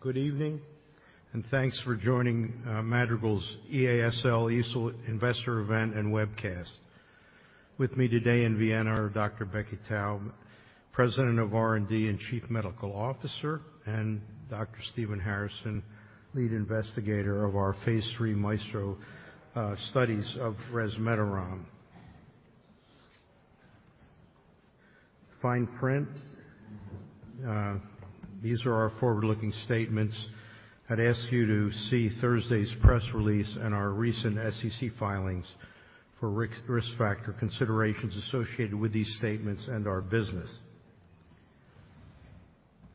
Good evening, thanks for joining Madrigal's EASL Investor Event and Webcast. With me today in Vienna are Dr. Rebecca Taub, President of R&D and Chief Medical Officer, and Dr. Stephen Harrison, Lead Investigator of our phase III MAESTRO studies of resmetirom. Fine print. These are our forward-looking statements. I'd ask you to see Thursday's press release and our recent SEC filings for risk factor considerations associated with these statements and our business.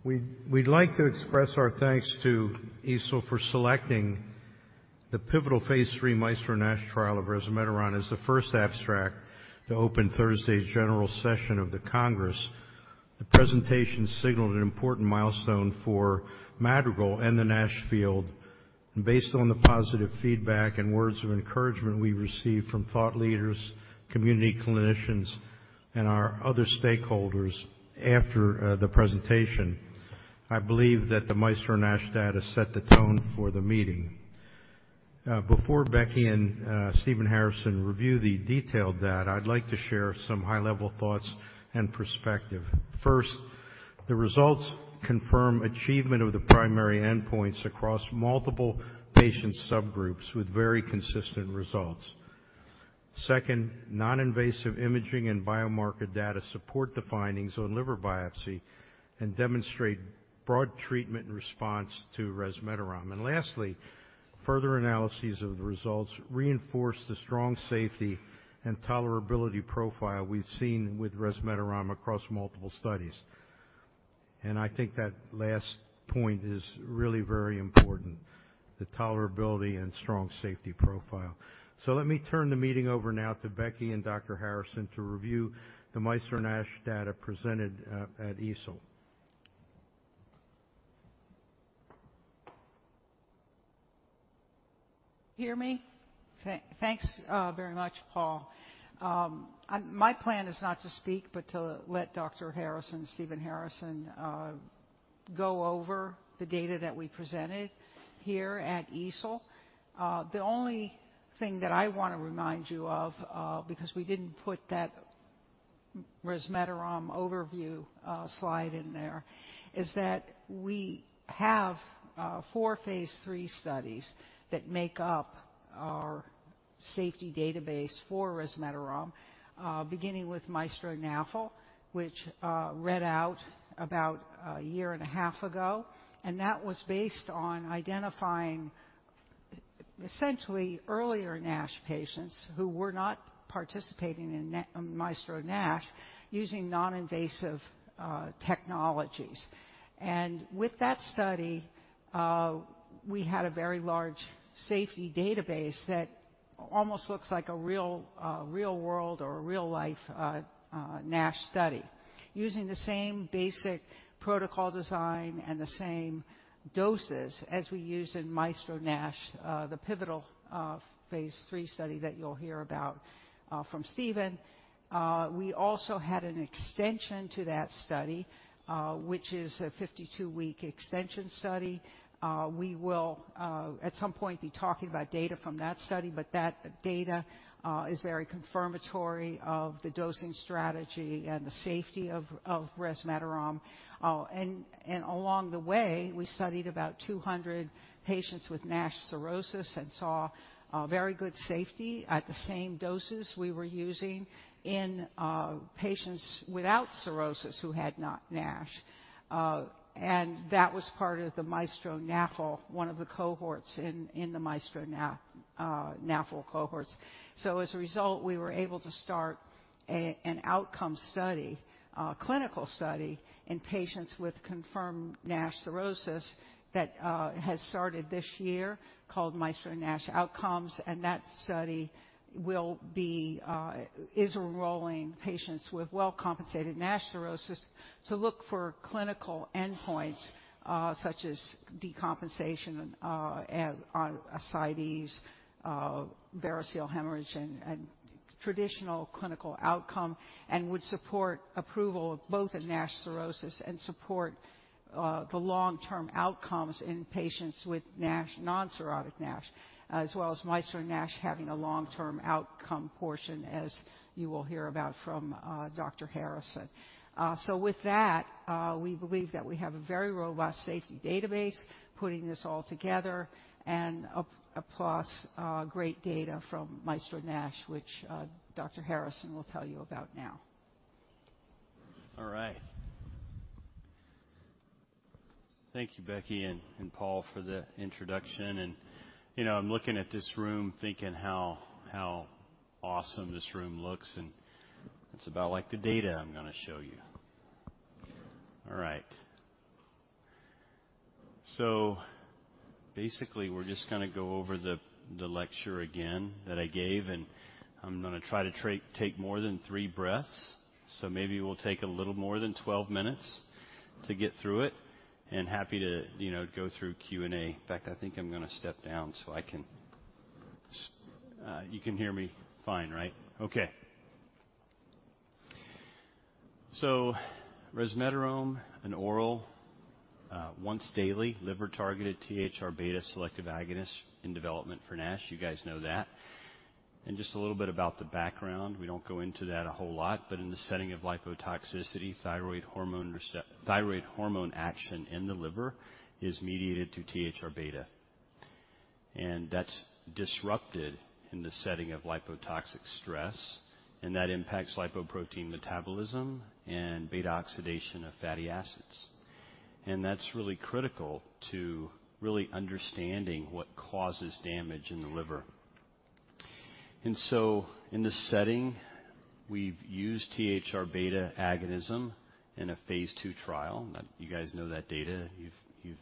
We'd like to express our thanks to EASL for selecting the pivotal phase III MAESTRO NASH trial of resmetirom as the first abstract to open Thursday's general session of the Congress. The presentation signaled an important milestone for Madrigal and the NASH field. Based on the positive feedback and words of encouragement we received from thought leaders, community clinicians, and our other stakeholders after the presentation, I believe that the MAESTRO-NASH data set the tone for the meeting. Before Becky and Stephen Harrison review the detailed data, I'd like to share some high-level thoughts and perspective. First, the results confirm achievement of the primary endpoints across multiple patient subgroups with very consistent results. Second, non-invasive imaging and biomarker data support the findings on liver biopsy and demonstrate broad treatment and response to resmetirom. Lastly, further analyses of the results reinforce the strong safety and tolerability profile we've seen with resmetirom across multiple studies. I think that last point is really very important, the tolerability and strong safety profile. Let me turn the meeting over now to Becky and Dr. Harrison to review the MAESTRO-NASH data presented, at EASL. Hear me? Thanks very much, Paul. I'm my plan is not to speak, but to let Dr. Stephen Harrison go over the data that we presented here at EASL. The only thing that I want to remind you of because we didn't put that resmetirom overview slide in there, is that we have four phase III studies that make up our safety database for resmetirom beginning with MAESTRO-NAFLD-1, which read out about a year and a half ago. That was based on identifying essentially earlier NASH patients who were not participating in MAESTRO-NASH, using non-invasive technologies. With that study, we had a very large safety database that almost looks like a real-world or a real-life NASH study, using the same basic protocol design and the same doses as we used in MAESTRO-NASH, the pivotal phase III study that you'll hear about from Stephen. We also had an extension to that study, which is a 52-week extension study. We will, at some point, be talking about data from that study, but that data is very confirmatory of the dosing strategy and the safety of resmetirom. Along the way, we studied about 200 patients with NASH cirrhosis and saw very good safety at the same doses we were using in patients without cirrhosis who had not NASH. That was part of the MAESTRO-NAFLD-1, one of the cohorts in the MAESTRO-NAFLD cohorts. As a result, we were able to start an outcome study, a clinical study in patients with confirmed NASH cirrhosis that has started this year, called MAESTRO NASH Outcomes. That study will be enrolling patients with well-compensated NASH cirrhosis to look for clinical endpoints, such as decompensation, ascites, variceal hemorrhage, and traditional clinical outcome, and would support approval of both in NASH cirrhosis and support the long-term outcomes in patients with NASH, non-cirrhotic NASH, as well as MAESTRO NASH having a long-term outcome portion, as you will hear about from Dr. Harrison.With that, we believe that we have a very robust safety database, putting this all together, and a plus, great data from MAESTRO-NASH, which Dr. Harrison will tell you about now. All right. Thank you, Becky and Paul for the introduction. You know, I'm looking at this room thinking how awesome this room looks, and it's about like the data I'm gonna show you. All right. Basically, we're just gonna go over the lecture again that I gave, and I'm gonna try to take more than three breaths, so maybe we'll take a little more than 12 minutes to get through it. Happy to, you know, go through Q&A. In fact, I think I'm gonna step down, so I can... You can hear me fine, right? Okay. Resmetirom, an oral, once daily, liver-targeted THRβ selective agonist in development for NASH. You guys know that. Just a little bit about the background, we don't go into that a whole lot, but in the setting of lipotoxicity, thyroid hormone action in the liver is mediated through THRβ. That's disrupted in the setting of lipotoxic stress, and that impacts lipoprotein metabolism and beta-oxidation of fatty acids. That's really critical to really understanding what causes damage in the liver. In this setting, we've used THRβ agonism in a phase II trial. You guys know that data. You've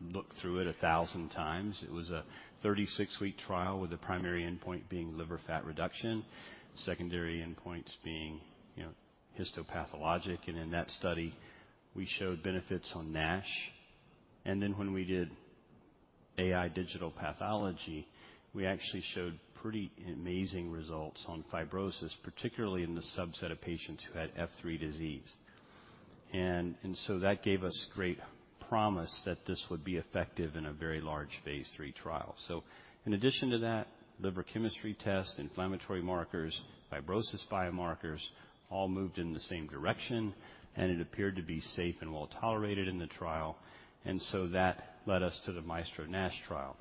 looked through it 1,000 times. It was a 36-week trial with the primary endpoint being liver fat reduction, secondary endpoints being, you know, histopathologic. In that study, we showed benefits on NASH. When we did AI digital pathology, we actually showed pretty amazing results on fibrosis, particularly in the subset of patients who had F3 disease. That gave us great promise that this would be effective in a very large phase III trial. In addition to that, liver chemistry test, inflammatory markers, fibrosis biomarkers, all moved in the same direction, and it appeared to be safe and well tolerated in the trial, and so that led us to the MAESTRO-NASH trial.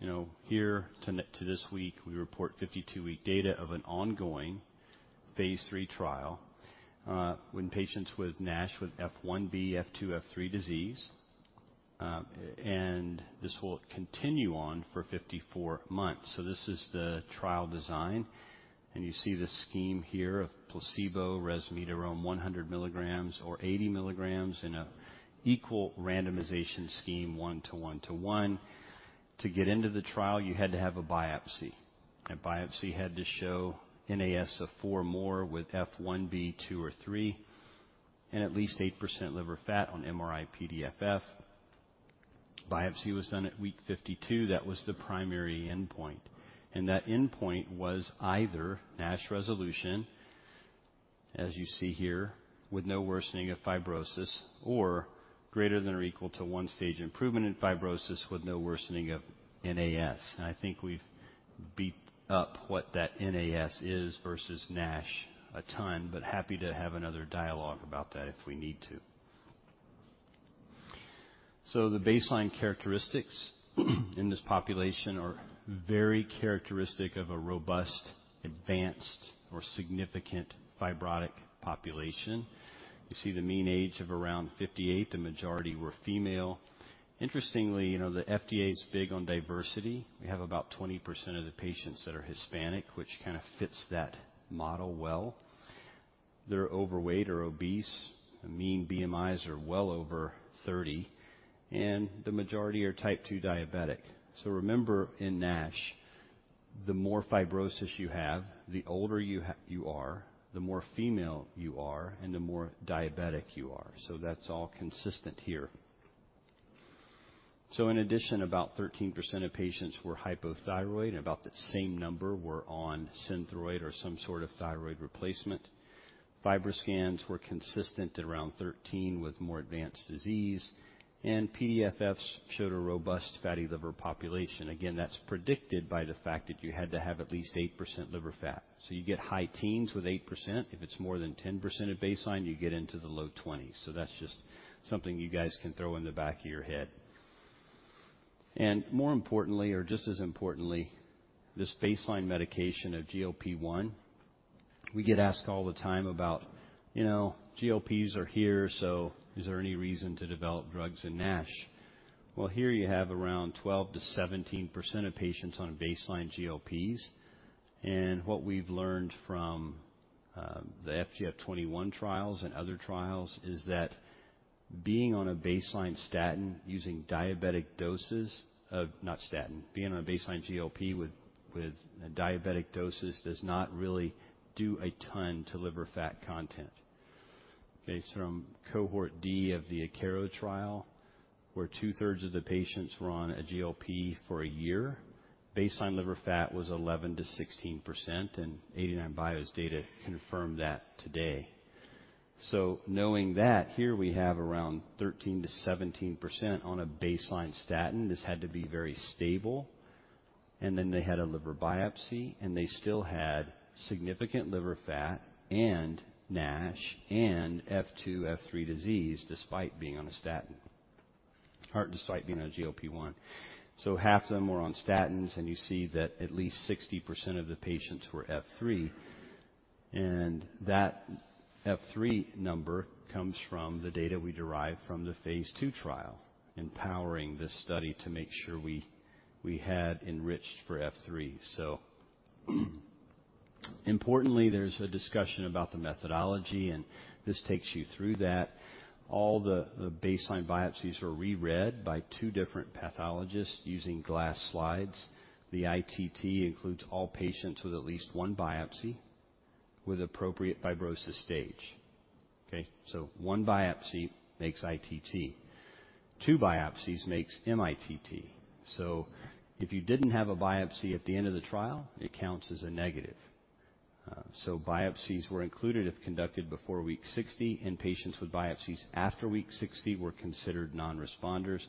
You know, here to this week, we report 52-week data of an ongoing phase III trial, when patients with NASH, with F1B, F2, F3 disease, and this will continue on for 54 months. This is the trial design, and you see the scheme here of placebo, resmetirom 100 milligrams or 80 milligrams in a equal randomization scheme, 1:1:1. To get into the trial, you had to have a biopsy. A biopsy had to show NAS of 4 or more with F1, B, 2 or 3, and at least 8% liver fat on MRI-PDFF. Biopsy was done at week 52. That was the primary endpoint. That endpoint was either NASH resolution, as you see here, with no worsening of fibrosis, or greater than or equal to 1 stage improvement in fibrosis with no worsening of NAS. I think we've beat up what that NAS is versus NASH a ton, but happy to have another dialogue about that if we need to. The baseline characteristics in this population are very characteristic of a robust, advanced, or significant fibrotic population. You see the mean age of around 58, the majority were female. Interestingly, you know, the FDA is big on diversity. We have about 20% of the patients that are Hispanic, which kind of fits that model well. They're overweight or obese. The mean BMIs are well over 30, and the majority are type 2 diabetic. Remember, in NASH, the more fibrosis you have, the older you are, the more female you are, and the more diabetic you are. That's all consistent here. In addition, about 13% of patients were hypothyroid, and about the same number were on Synthroid or some sort of thyroid replacement. FibroScans were consistent at around 13 with more advanced disease, and PDFFs showed a robust fatty liver population. That's predicted by the fact that you had to have at least 8% liver fat. You get high teens with 8%. If it's more than 10% at baseline, you get into the low twenties. That's just something you guys can throw in the back of your head. More importantly, or just as importantly, this baseline medication of GLP-1, we get asked all the time about, "You know, GLPs are here, so is there any reason to develop drugs in NASH?" Here you have around 12%-17% of patients on baseline GLPs. What we've learned from the FGF21 trials and other trials is that being on a baseline statin, Being on a baseline GLP with diabetic doses does not really do a ton to liver fat content. From cohort D of the Akero trial, where 2/3 of the patients were on a GLP-1 for a year, baseline liver fat was 11%-16%, and 89bio's data confirmed that today. Knowing that, here we have around 13%-17% on a baseline statin. This had to be very stable. They had a liver biopsy, and they still had significant liver fat and NASH and F2, F3 disease, despite being on a statin or despite being on a GLP-1. Half of them were on statins, and you see that at least 60% of the patients were F3, and that F3 number comes from the data we derived from the phase II trial, empowering this study to make sure we had enriched for F3. Importantly, there's a discussion about the methodology, and this takes you through that. All the baseline biopsies were reread by 2 different pathologists using glass slides. The ITT includes all patients with at least 1 biopsy with appropriate fibrosis stage. Okay, 1 biopsy makes ITT. 2 biopsies makes mITT. If you didn't have a biopsy at the end of the trial, it counts as a negative. Biopsies were included if conducted before week 60, and patients with biopsies after week 60 were considered non-responders,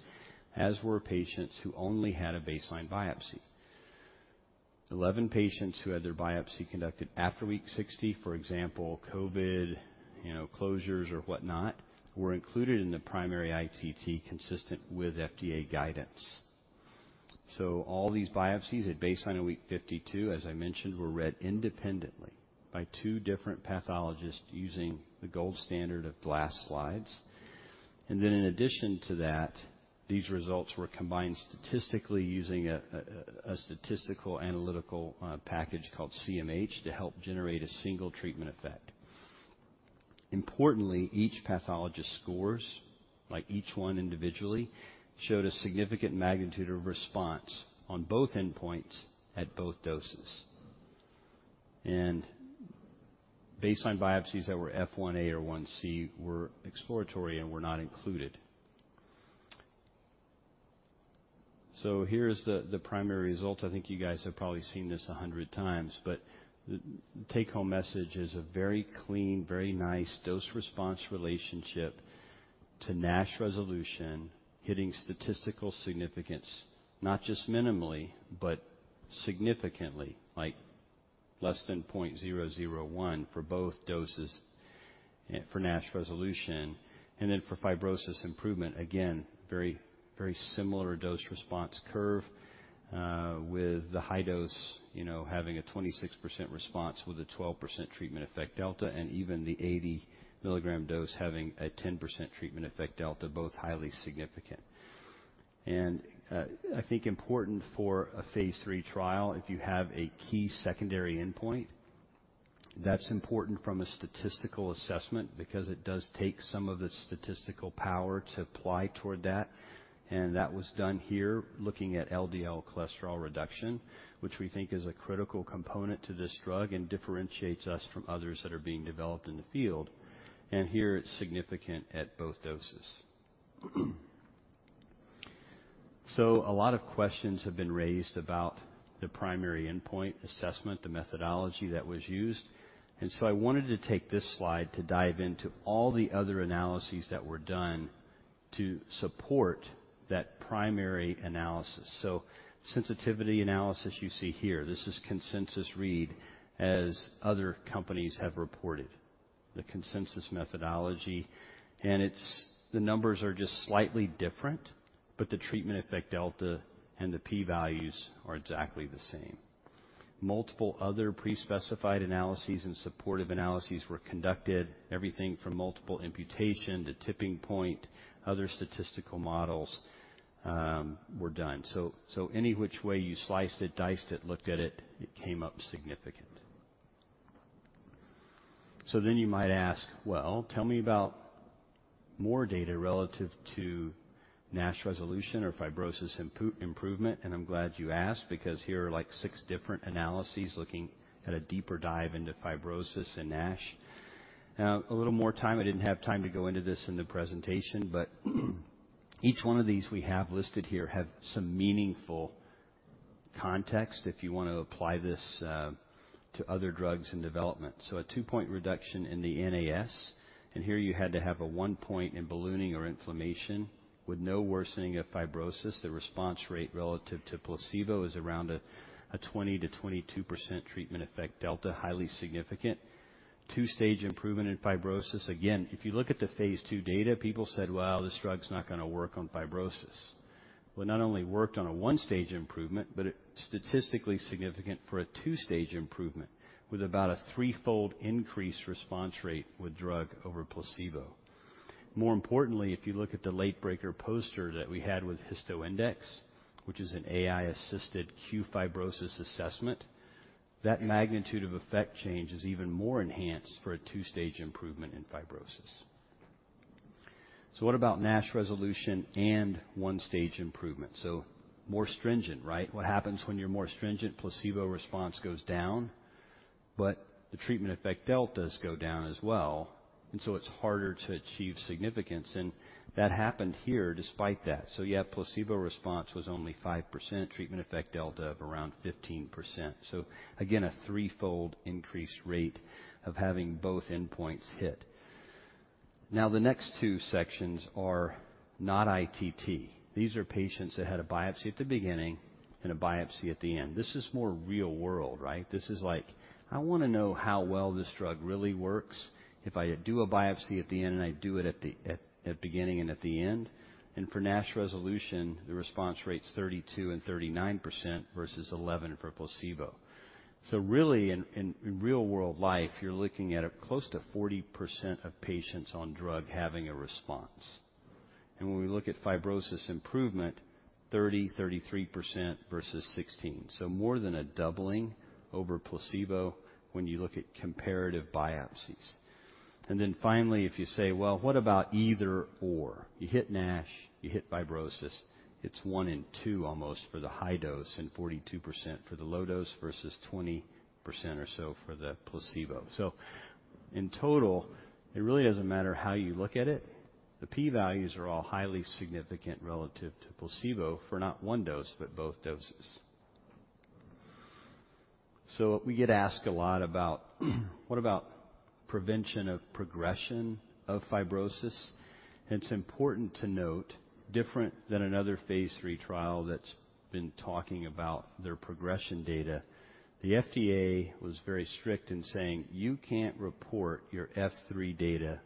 as were patients who only had a baseline biopsy. 11 patients who had their biopsy conducted after week 60, for example, COVID, you know, closures or whatnot, were included in the primary ITT, consistent with FDA guidance. All these biopsies at baseline and week 52, as I mentioned, were read independently by 2 different pathologists using the gold standard of glass slides. In addition to that, these results were combined statistically using a statistical analytical package called CMH to help generate a single treatment effect. Importantly, each pathologist scores, like each 1 individually, showed a significant magnitude of response on both endpoints at both doses. Baseline biopsies that were F1A or 1C were exploratory and were not included. Here's the primary result. I think you guys have probably seen this 100 times, but the take-home message is a very clean, very nice dose-response relationship to NASH resolution, hitting statistical significance, not just minimally, but significantly, like less than 0.001 for both doses for NASH resolution. For fibrosis improvement, again, very, very similar dose response curve, with the high dose, you know, having a 26% response with a 12% treatment effect delta, and even the 80 milligram dose having a 10% treatment effect delta, both highly significant. I think important for a phase III trial, if you have a key secondary endpoint, that's important from a statistical assessment because it does take some of the statistical power to apply toward that. That was done here looking at LDL cholesterol reduction, which we think is a critical component to this drug and differentiates us from others that are being developed in the field. Here it's significant at both doses. A lot of questions have been raised about the primary endpoint assessment, the methodology that was used. I wanted to take this slide to dive into all the other analyses that were done to support that primary analysis. Sensitivity analysis you see here, this is consensus read, as other companies have reported, the consensus methodology, and the numbers are just slightly different, but the treatment effect delta and the p values are exactly the same. Multiple other pre-specified analyses and supportive analyses were conducted, everything from multiple imputation to tipping point, other statistical models, were done. Any which way you sliced it, diced it, looked at it came up significant. You might ask, "Well, tell me about more data relative to NASH resolution or fibrosis improvement," and I'm glad you asked, because here are, like, six different analyses looking at a deeper dive into fibrosis and NASH. Now, a little more time. I didn't have time to go into this in the presentation, but each one of these we have listed here have some meaningful context if you want to apply this, to other drugs in development. A 2-point reduction in the NAS, and here you had to have a 1 point in ballooning or inflammation with no worsening of fibrosis. The response rate relative to placebo is around a 20%-22% treatment effect delta, highly significant. 2-stage improvement in fibrosis. If you look at the phase II data, people said, "Well, this drug's not gonna work on fibrosis." Not only worked on a 1-stage improvement, but it statistically significant for a 2-stage improvement, with about a 3-fold increased response rate with drug over placebo. More importantly, if you look at the late breaker poster that we had with HistoIndex, which is an AI-assisted qFibrosis assessment, that magnitude of effect change is even more enhanced for a two-stage improvement in fibrosis. What about NASH resolution and one-stage improvement? More stringent, right? What happens when you're more stringent? Placebo response goes down, but the treatment effect deltas go down as well, and so it's harder to achieve significance. That happened here despite that. Yeah, placebo response was only 5%. Treatment effect delta of around 15%. Again, a threefold increased rate of having both endpoints hit. Now, the next two sections are not ITT. These are patients that had a biopsy at the beginning and a biopsy at the end. This is more real-world, right? This is like, I wanna know how well this drug really works. If I do a biopsy at the end, I do it at the beginning and at the end. For NASH resolution, the response rate's 32% and 39% versus 11% for placebo. Really, in real-world life, you're looking at a close to 40% of patients on drug having a response. When we look at fibrosis improvement, 33% versus 16%. More than a doubling over placebo when you look at comparative biopsies. Finally, if you say, "Well, what about either or?" You hit NASH, you hit fibrosis, it's 1 in 2 almost for the high dose and 42% for the low dose versus 20% or so for the placebo. In total, it really doesn't matter how you look at it. The p-values are all highly significant relative to placebo for not one dose, but both doses. We get asked a lot about, what about prevention of progression of fibrosis? It's important to note, different than another phase III trial that's been talking about their progression data, the FDA was very strict in saying, "You can't report your F3 data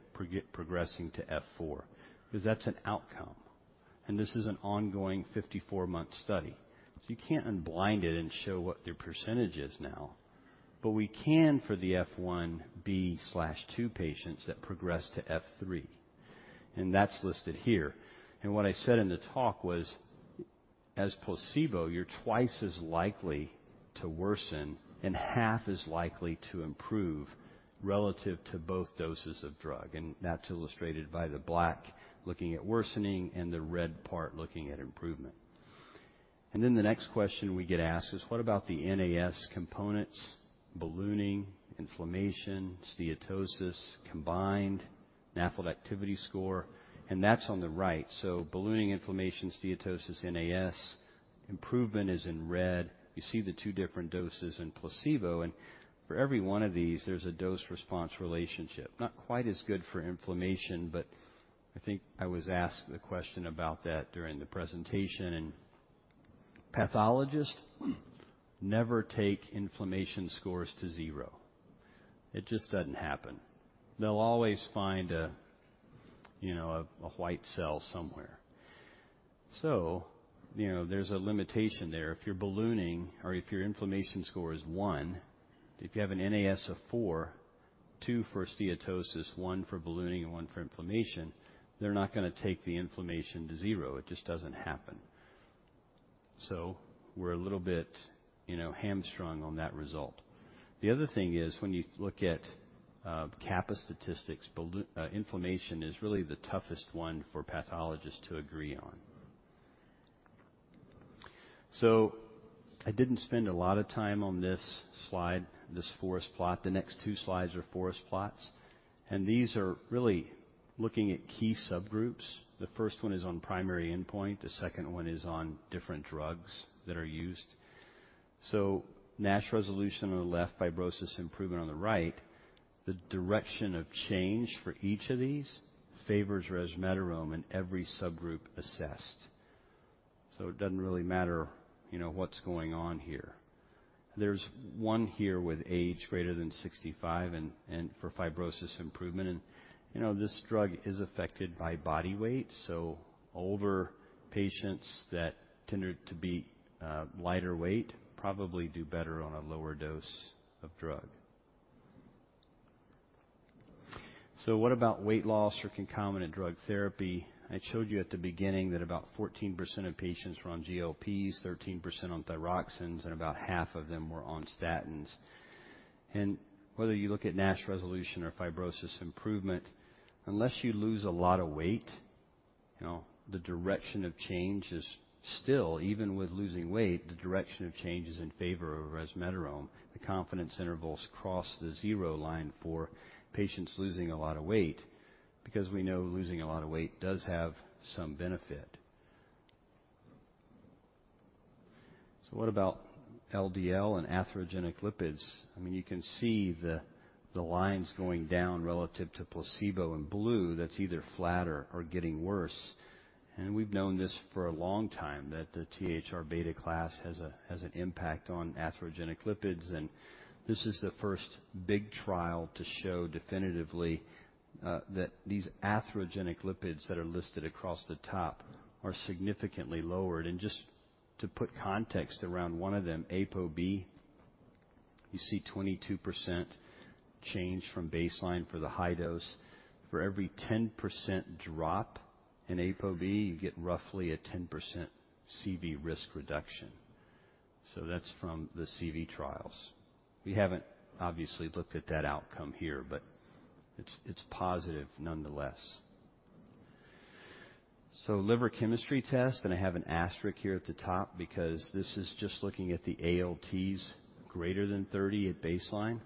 progressing to F4, because that's an outcome." This is an ongoing 54-month study. You can't unblind it and show what their percentage is now, but we can for the F1b/2 patients that progress to F3, and that's listed here. What I said in the talk was, as placebo, you're twice as likely to worsen and half as likely to improve relative to both doses of drug, and that's illustrated by the black looking at worsening and the red part looking at improvement. The next question we get asked is: What about the NAS components, ballooning, inflammation, steatosis, combined NAFLD activity score? That's on the right. Ballooning, inflammation, steatosis, NAS, improvement is in red. You see the two different doses in placebo. For every one of these, there's a dose-response relationship. Not quite as good for inflammation. I think I was asked the question about that during the presentation. Pathologists never take inflammation scores to zero. It just doesn't happen. They'll always find a, you know, a white cell somewhere. You know, there's a limitation there. If you're ballooning or if your inflammation score is one, if you have an NAS of four, two for steatosis, one for ballooning, and one for inflammation, they're not gonna take the inflammation to zero. It just doesn't happen. We're a little bit, you know, hamstrung on that result. The other thing is, when you look at kappa statistics, balloon inflammation is really the toughest one for pathologists to agree on. I didn't spend a lot of time on this slide, this forest plot. The next two slides are forest plots, and these are really looking at key subgroups. The first one is on primary endpoint, the second one is on different drugs that are used. NASH resolution on the left, fibrosis improvement on the right, the direction of change for each of these favors resmetirom in every subgroup assessed. It doesn't really matter, you know, what's going on here. There's one here with age greater than 65 and for fibrosis improvement. You know, this drug is affected by body weight, older patients that tended to be lighter weight probably do better on a lower dose of drug. What about weight loss or concomitant drug therapy? I showed you at the beginning that about 14% of patients were on GLPs, 13% on thyroxines, and about half of them were on statins. Whether you look at NASH resolution or fibrosis improvement, unless you lose a lot of weight, you know, the direction of change is still. Even with losing weight, the direction of change is in favor of resmetirom. The confidence intervals cross the zero line for patients losing a lot of weight because we know losing a lot of weight does have some benefit. What about LDL and atherogenic lipids? I mean, you can see the lines going down relative to placebo in blue, that's either flatter or getting worse. We've known this for a long time, that the THR-β class has an impact on atherogenic lipids, and this is the first big trial to show definitively that these atherogenic lipids that are listed across the top are significantly lowered. Just to put context around one of them, ApoB, you see 22% change from baseline for the high dose. For every 10% drop in ApoB, you get roughly a 10% CV risk reduction. That's from the CV trials. We haven't obviously looked at that outcome here, but it's positive nonetheless. Liver chemistry test, and I have an asterisk here at the top, because this is just looking at the ALTs greater than 30 at baseline.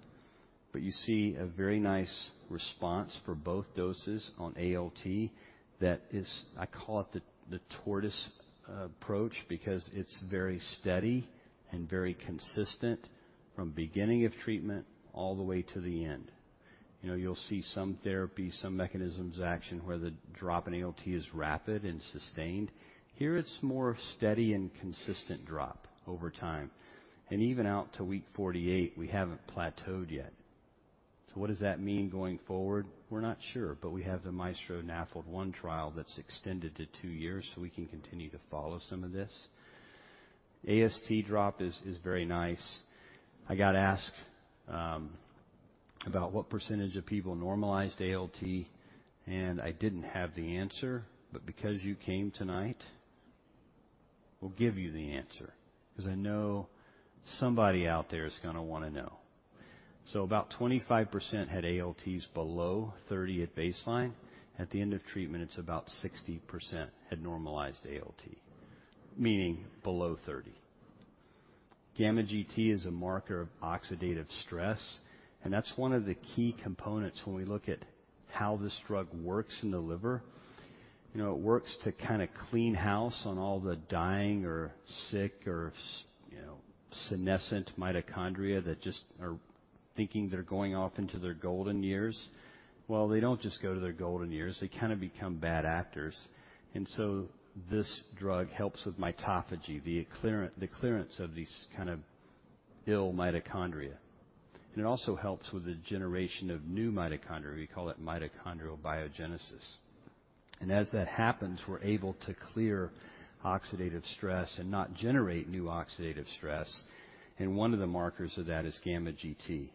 You see a very nice response for both doses on ALT that is-- I call it the tortoise approach, because it's very steady and very consistent from beginning of treatment all the way to the end. You know, you'll see some therapy, some mechanisms action, where the drop in ALT is rapid and sustained. Here, it's more of steady and consistent drop over time, and even out to week 48, we haven't plateaued yet. What does that mean going forward? We're not sure, but we have the MAESTRO-NAFLD-1 trial that's extended to 2 years, so we can continue to follow some of this. AST drop is very nice. I got asked about what percentage of people normalized ALT, and I didn't have the answer, but because you came tonight, we'll give you the answer, 'cause I know somebody out there is gonna wanna know. About 25% had ALTs below 30 at baseline. At the end of treatment, it's about 60% had normalized ALT, meaning below 30. Gamma GT is a marker of oxidative stress, and that's one of the key components when we look at how this drug works in the liver. You know, it works to kinda clean house on all the dying or sick or you know, senescent mitochondria that just are thinking they're going off into their golden years. They don't just go to their golden years; they kinda become bad actors. This drug helps with mitophagy, the clearance of these kind of ill mitochondria. It also helps with the generation of new mitochondria. We call it mitochondrial biogenesis. As that happens, we're able to clear oxidative stress and not generate new oxidative stress, and one of the markers of that is gamma GT.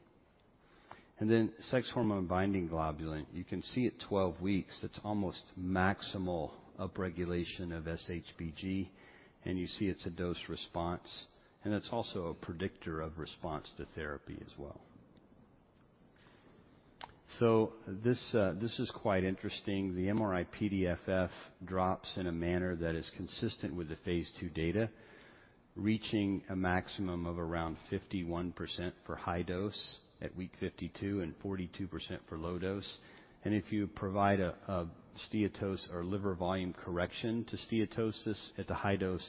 Then sex hormone binding globulin, you can see at 12 weeks, it's almost maximal upregulation of SHBG, and you see it's a dose response, and it's also a predictor of response to therapy as well. So this is quite interesting. The MRI-PDFF drops in a manner that is consistent with the phase II data, reaching a maximum of around 51% for high dose at week 52 and 42% for low dose. If you provide a steatosis or liver volume correction to steatosis at the high dose,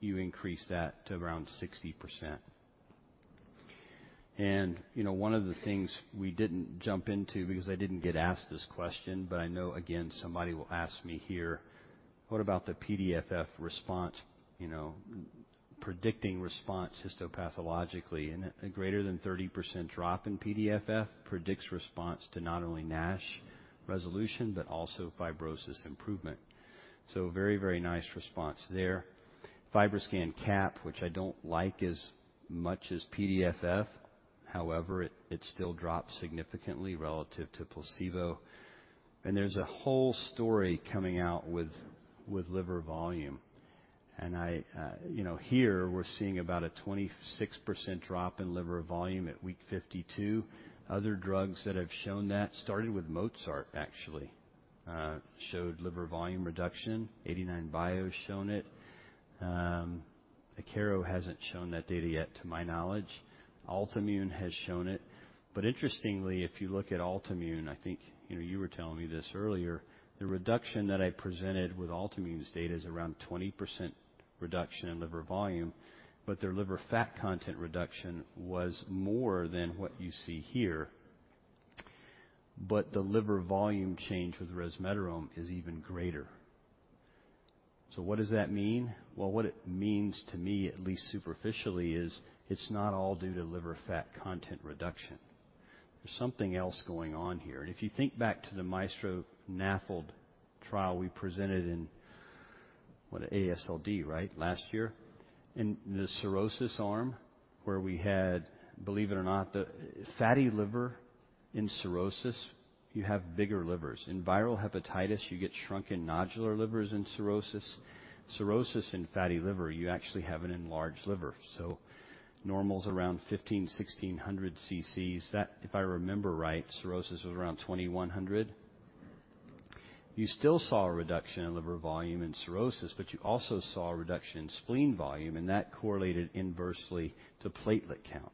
you increase that to around 60%. You know, one of the things we didn't jump into because I didn't get asked this question, but I know, again, somebody will ask me here: What about the PDFF response, you know, predicting response histopathologically? A greater than 30% drop in PDFF predicts response to not only NASH resolution, but also fibrosis improvement. Very, very nice response there. FibroScan CAP, which I don't like as much as PDFF, however, it still drops significantly relative to placebo. There's a whole story coming out with liver volume. I, you know, here we're seeing about a 26 drop in liver volume at week 52. Other drugs that have shown that, started with Mounjaro, actually, showed liver volume reduction. 89bio's shown it. Akero hasn't shown that data yet, to my knowledge. Altimmune has shown it. Interestingly, if you look at Altimmune, I think, you know, you were telling me this earlier, the reduction that I presented with Altimmune's data is around 20% reduction in liver volume, but their liver fat content reduction was more than what you see here. The liver volume change with resmetirom is even greater. What does that mean? Well, what it means to me, at least superficially, is it's not all due to liver fat content reduction. There's something else going on here. If you think back to the MAESTRO-NAFLD trial we presented in, what, AASLD, right? Last year. In the cirrhosis arm, where we had, believe it or not, the fatty liver in cirrhosis, you have bigger livers. In viral hepatitis, you get shrunken nodular livers in cirrhosis. Cirrhosis in fatty liver, you actually have an enlarged liver, so normal's around 1,500-1,600 ccs. That, if I remember right, cirrhosis was around 2,100. You still saw a reduction in liver volume in cirrhosis, but you also saw a reduction in spleen volume, and that correlated inversely to platelet count.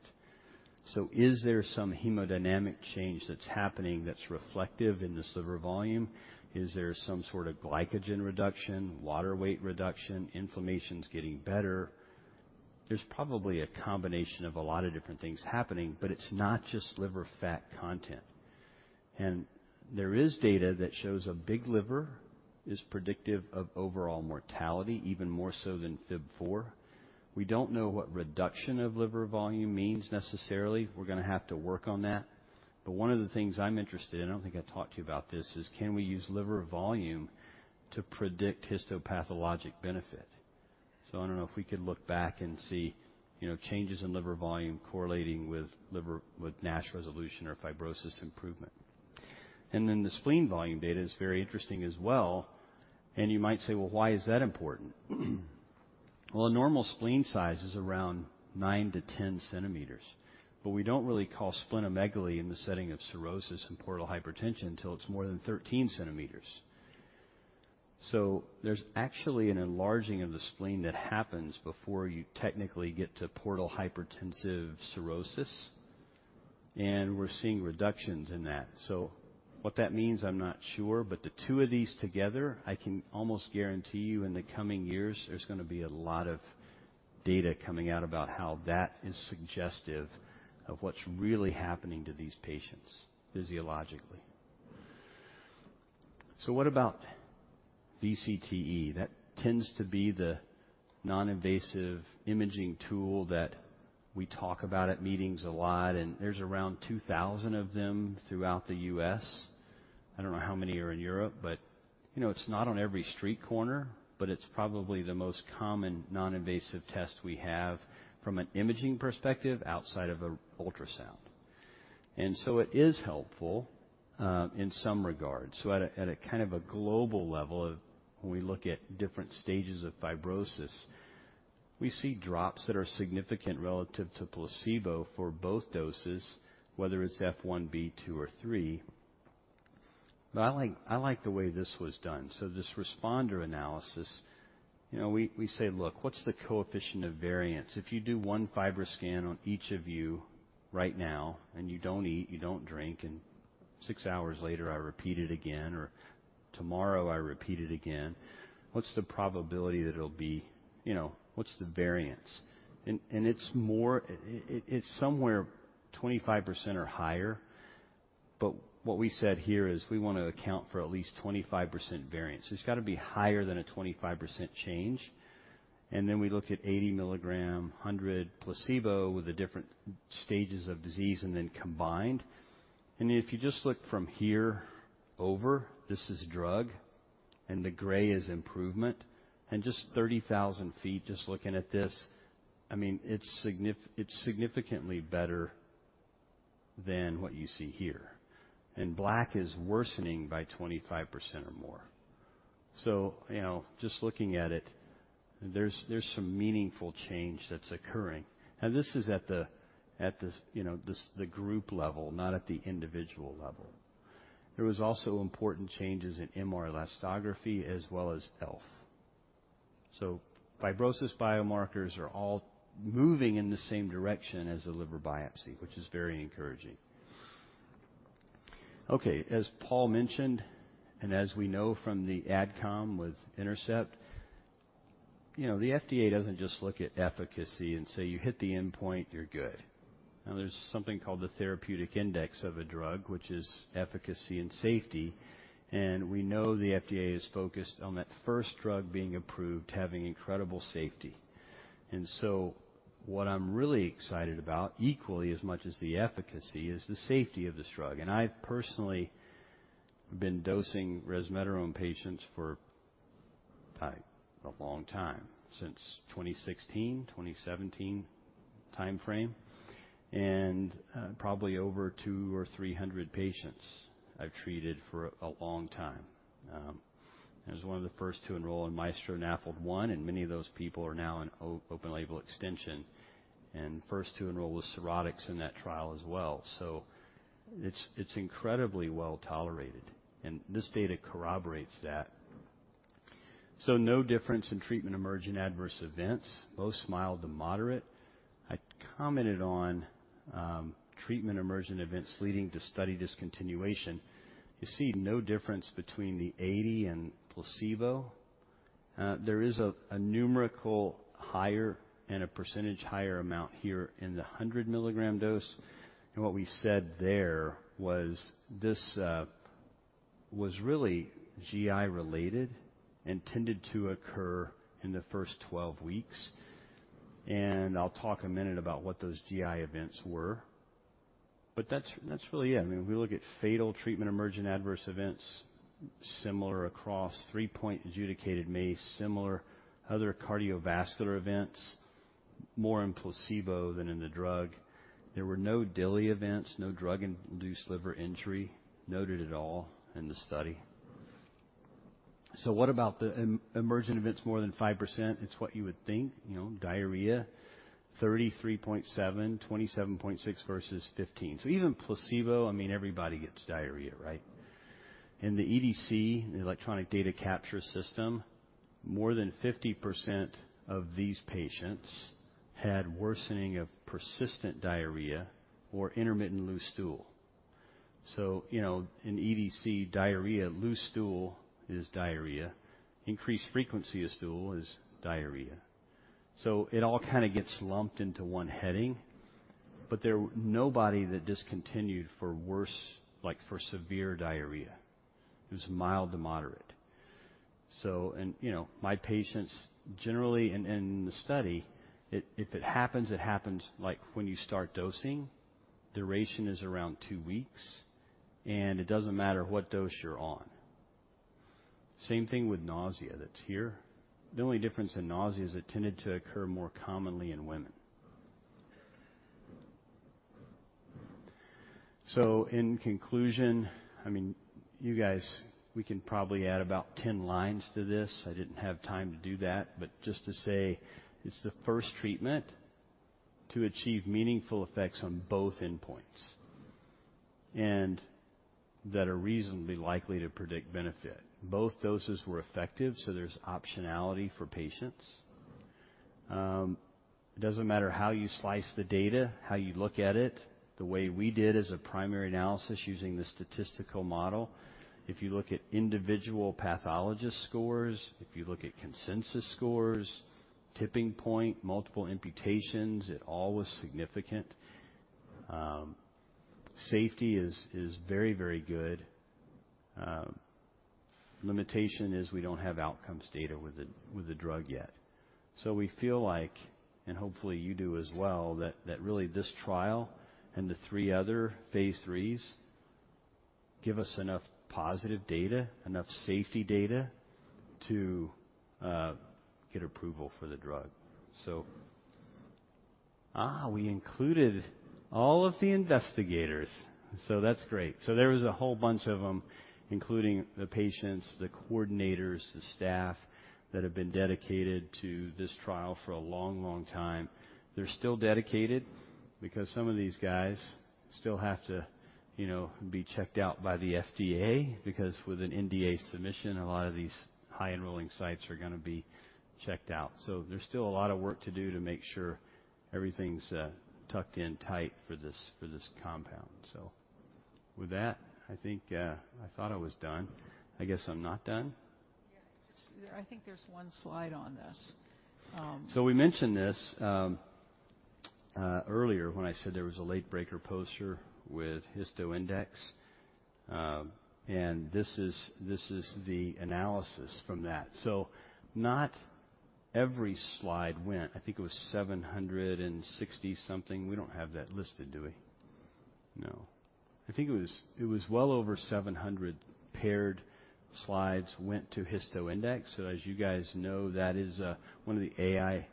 Is there some hemodynamic change that's happening that's reflective in this liver volume? Is there some sort of glycogen reduction, water weight reduction, inflammation's getting better? There's probably a combination of a lot of different things happening, but it's not just liver fat content. There is data that shows a big liver is predictive of overall mortality, even more so than FIB-4. We don't know what reduction of liver volume means necessarily. We're gonna have to work on that. One of the things I'm interested in, I don't think I talked to you about this, is: Can we use liver volume to predict histopathologic benefit? I don't know if we could look back and see, you know, changes in liver volume correlating with NASH resolution or fibrosis improvement. The spleen volume data is very interesting as well, and you might say, "Well, why is that important?" Well, a normal spleen size is around nine to 10 centimeters, but we don't really call splenomegaly in the setting of cirrhosis and portal hypertension until it's more than 13 centimeters. There's actually an enlarging of the spleen that happens before you technically get to portal hypertensive cirrhosis, and we're seeing reductions in that. What that means, I'm not sure, but the two of these together, I can almost guarantee you, in the coming years, there's gonna be a lot of data coming out about how that is suggestive of what's really happening to these patients physiologically. What about VCTE? That tends to be the non-invasive imaging tool that we talk about at meetings a lot, and there's around 2,000 of them throughout the U.S. I don't know how many are in Europe, but, you know, it's not on every street corner, but it's probably the most common non-invasive test we have from an imaging perspective outside of a ultrasound. It is helpful in some regards. At a, at a kind of a global level of when we look at different stages of fibrosis, we see drops that are significant relative to placebo for both doses, whether it's F-one, B-two, or three. Well, I like the way this was done. This responder analysis, you know, we say, "Look, what's the coefficient of variance?" If you do one FibroScan on each of you right now, and you don't eat, you don't drink, and six hours later, I repeat it again, or tomorrow I repeat it again, what's the probability that it'll be... You know, what's the variance? It's somewhere 25% or higher. What we said here is we wanna account for at least 25% variance. It's gotta be higher than a 25% change. Then we looked at 80 milligram, 100 placebo with the different stages of disease and then combined. If you just look from here over, this is drug, and the gray is improvement. Just 30,000 feet, just looking at this, I mean, it's significantly better than what you see here, and black is worsening by 25% or more. You know, just looking at it, there's some meaningful change that's occurring, and this is at this, you know, the group level, not at the individual level. There was also important changes in MR elastography as well as ELF. Fibrosis biomarkers are all moving in the same direction as a liver biopsy, which is very encouraging. As Paul mentioned, as we know from the AdCom with Intercept, you know, the FDA doesn't just look at efficacy and say, "You hit the endpoint, you're good." There's something called the therapeutic index of a drug, which is efficacy and safety, we know the FDA is focused on that first drug being approved, having incredible safety. What I'm really excited about, equally as much as the efficacy, is the safety of this drug. I've personally been dosing resmetirom patients for a long time, since 2016, 2017 timeframe, and probably over 2 or 300 patients I've treated for a long time. I was one of the first to enroll in MAESTRO and NAFLD 1, many of those people are now in open label extension, first to enroll with cirrhotics in that trial as well. It's incredibly well-tolerated, and this data corroborates that. No difference in treatment-emergent adverse events, both mild to moderate. I commented on treatment-emergent events leading to study discontinuation. You see no difference between the 80 and placebo. There is a numerical higher and a percentage higher amount here in the 100 milligram dose, what we said there was this was really GI related and tended to occur in the 1st 12 weeks. I'll talk a minute about what those GI events were, but that's really it. I mean, if we look at fatal treatment-emergent adverse events, similar across 3-point adjudicated MACE, similar other cardiovascular events, more in placebo than in the drug. There were no DILI events, no drug-induced liver injury noted at all in the study. What about the emergent events more than 5%? It's what you would think, you know, diarrhea, 33.7, 27.6 versus 15. Even placebo, I mean, everybody gets diarrhea, right? In the EDC, the Electronic Data Capture System, more than 50% of these patients had worsening of persistent diarrhea or intermittent loose stool. You know, in EDC, diarrhea, loose stool is diarrhea, increased frequency of stool is diarrhea. It all kind of gets lumped into one heading, but there were nobody that discontinued for worse, like, for severe diarrhea. It was mild to moderate. You know, my patients generally in the study, if it happens, it happens, like, when you start dosing. Duration is around 2 weeks, and it doesn't matter what dose you're on. Same thing with nausea, that's here. The only difference in nausea is it tended to occur more commonly in women. In conclusion, I mean, you guys, we can probably add about 10 lines to this. I didn't have time to do that. Just to say, it's the first treatment to achieve meaningful effects on both endpoints and that are reasonably likely to predict benefit. Both doses were effective, so there's optionality for patients. It doesn't matter how you slice the data, how you look at it, the way we did as a primary analysis using the statistical model. If you look at individual pathologist scores, if you look at consensus scores, tipping point, multiple imputations, it all was significant. Safety is very, very good. Limitation is we don't have outcomes data with the drug yet. We feel like, and hopefully, you do as well, that really this trial and the three other phase IIIs give us enough positive data, enough safety data to get approval for the drug. We included all of the investigators, so that's great. There was a whole bunch of them, including the patients, the coordinators, the staff that have been dedicated to this trial for a long, long time. They're still dedicated because some of these guys still have to, you know, be checked out by the FDA, because with an NDA submission, a lot of these high-enrolling sites are gonna be checked out. There's still a lot of work to do to make sure everything's tucked in tight for this, for this compound. With that, I think I thought I was done. I guess I'm not done? Yeah. Just, I think there's one slide on this. We mentioned this earlier when I said there was a late-breaker poster with HistoIndex. This is the analysis from that. Not every slide went. I think it was 760 something. We don't have that listed, do we? No. I think it was well over 700 paired slides went to HistoIndex. As you guys know, that is one of the AI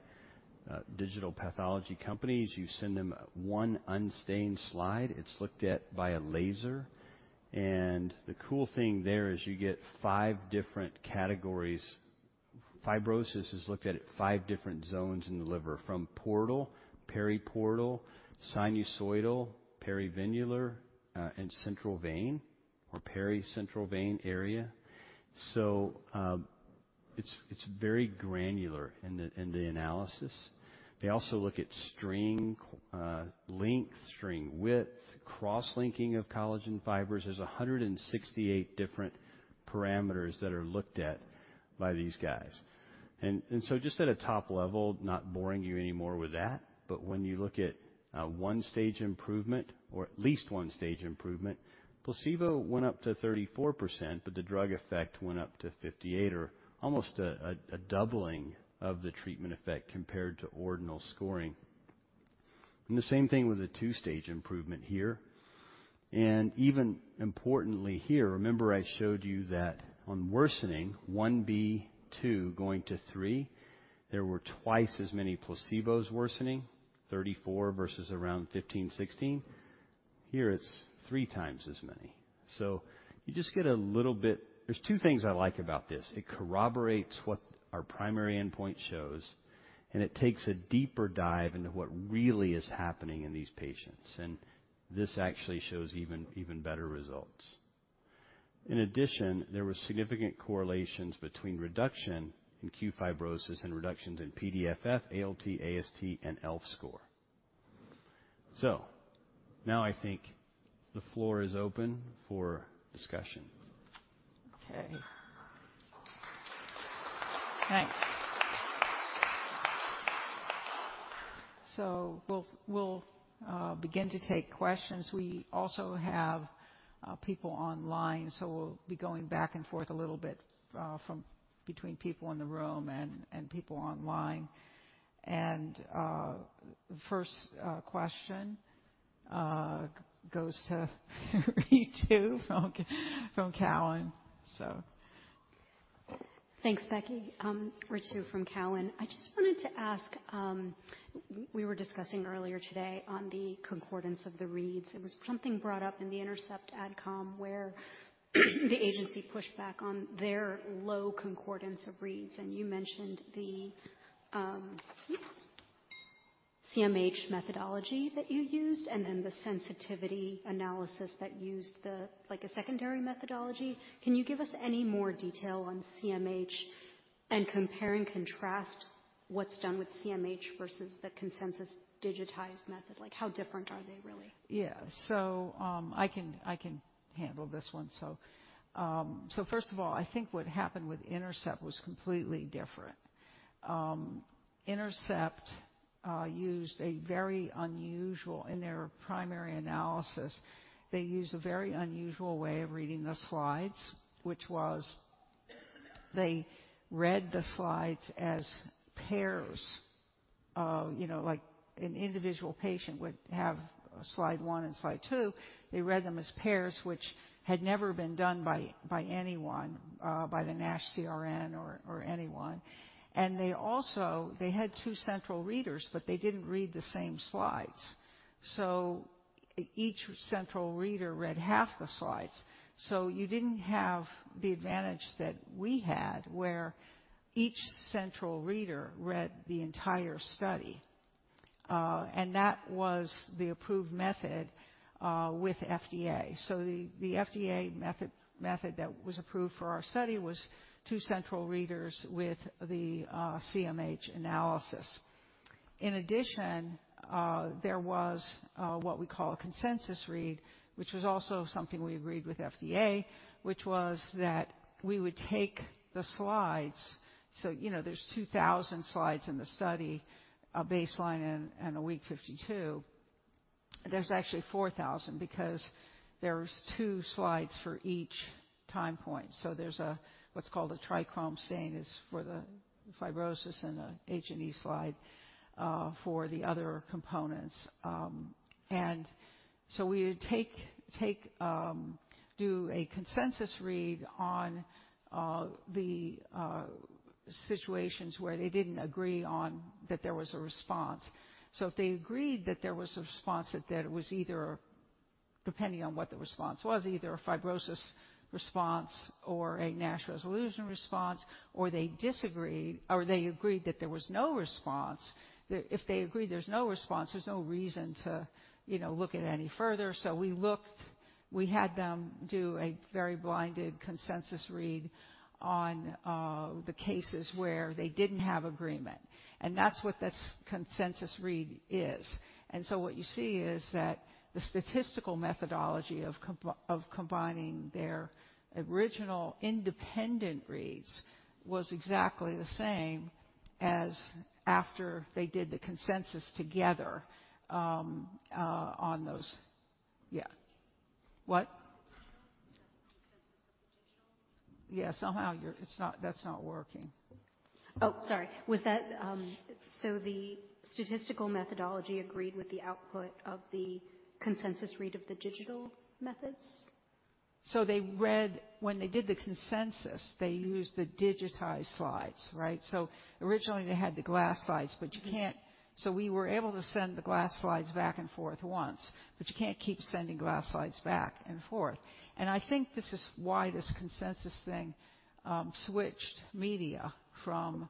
digital pathology companies. You send them one unstained slide. It's looked at by a laser, and the cool thing there is you get 5 different categories. fibrosis is looked at at 5 different zones in the liver, from portal, periportal, sinusoidal, perivenular, and central vein, or pericentral vein area. It's very granular in the analysis. They also look at string length, string width, cross-linking of collagen fibers. There's 168 different parameters that are looked at by these guys. Just at a top level, not boring you anymore with that, but when you look at one stage improvement or at least one stage improvement, placebo went up to 34%, but the drug effect went up to 58, or almost a doubling of the treatment effect compared to ordinal scoring. The same thing with a two-stage improvement here. Even importantly here, remember I showed you that on worsening one B, two going to three, there were twice as many placebos worsening, 34 versus around 15, 16. Here, it's three times as many. You just get a little bit... There's two things I like about this: it corroborates what our primary endpoint shows, and it takes a deeper dive into what really is happening in these patients, and this actually shows even better results. In addition, there were significant correlations between reduction in qFibrosis and reductions in PDFF, ALT, AST, and ELF score. Now I think the floor is open for discussion. Okay. Thanks. We'll begin to take questions. We also have people online, we'll be going back and forth a little bit from between people in the room and people online. First question goes to Ritu from Cowen. Thanks, Becky. Ritu from Cowen. I just wanted to ask, we were discussing earlier today on the concordance of the reads. There was something brought up in the Intercept AdCom, where the agency pushed back on their low concordance of reads. You mentioned the CMH methodology that you used, and then the sensitivity analysis that used the, like, a secondary methodology. Can you give us any more detail on CMH and compare and contrast what's done with CMH versus the consensus digitized method? Like, how different are they, really? Yeah. I can handle this one. First of all, I think what happened with Intercept was completely different. Intercept, in their primary analysis, they used a very unusual way of reading the slides, which was they read the slides as pairs. You know, like an individual patient would have slide 1 and slide 2. They read them as pairs, which had never been done by anyone, by the NASH CRN or anyone. They also, they had 2 central readers, but they didn't read the same slides. Each central reader read half the slides. You didn't have the advantage that we had, where each central reader read the entire study, that was the approved method with FDA. The FDA method that was approved for our study was two central readers with the CMH analysis. In addition, there was what we call a consensus read, which was also something we agreed with FDA, which was that we would take the slides. You know, there's 2,000 slides in the study, a baseline and a week 52. There's actually 4,000 because there's two slides for each time point. There's what's called a trichrome stain is for the fibrosis and a H&E slide for the other components. We would do a consensus read on the situations where they didn't agree on that there was a response. If they agreed that there was a response, that it was either, depending on what the response was, either a fibrosis response or a NASH resolution response, or they disagreed, or they agreed that there was no response. That if they agreed there's no response, there's no reason to, you know, look at it any further. We had them do a very blinded consensus read on the cases where they didn't have agreement, and that's what this consensus read is. What you see is that the statistical methodology of combining their original independent reads was exactly the same as after they did the consensus together on those. Yeah. What? Consensus of digital. Yeah. Somehow, that's not working. Sorry. Was that the statistical methodology agreed with the output of the consensus read of the digital methods? When they did the consensus, they used the digitized slides, right? Originally, they had the glass slides, but you can't- We were able to send the glass slides back and forth once, but you can't keep sending glass slides back and forth. I think this is why this consensus thing switched media from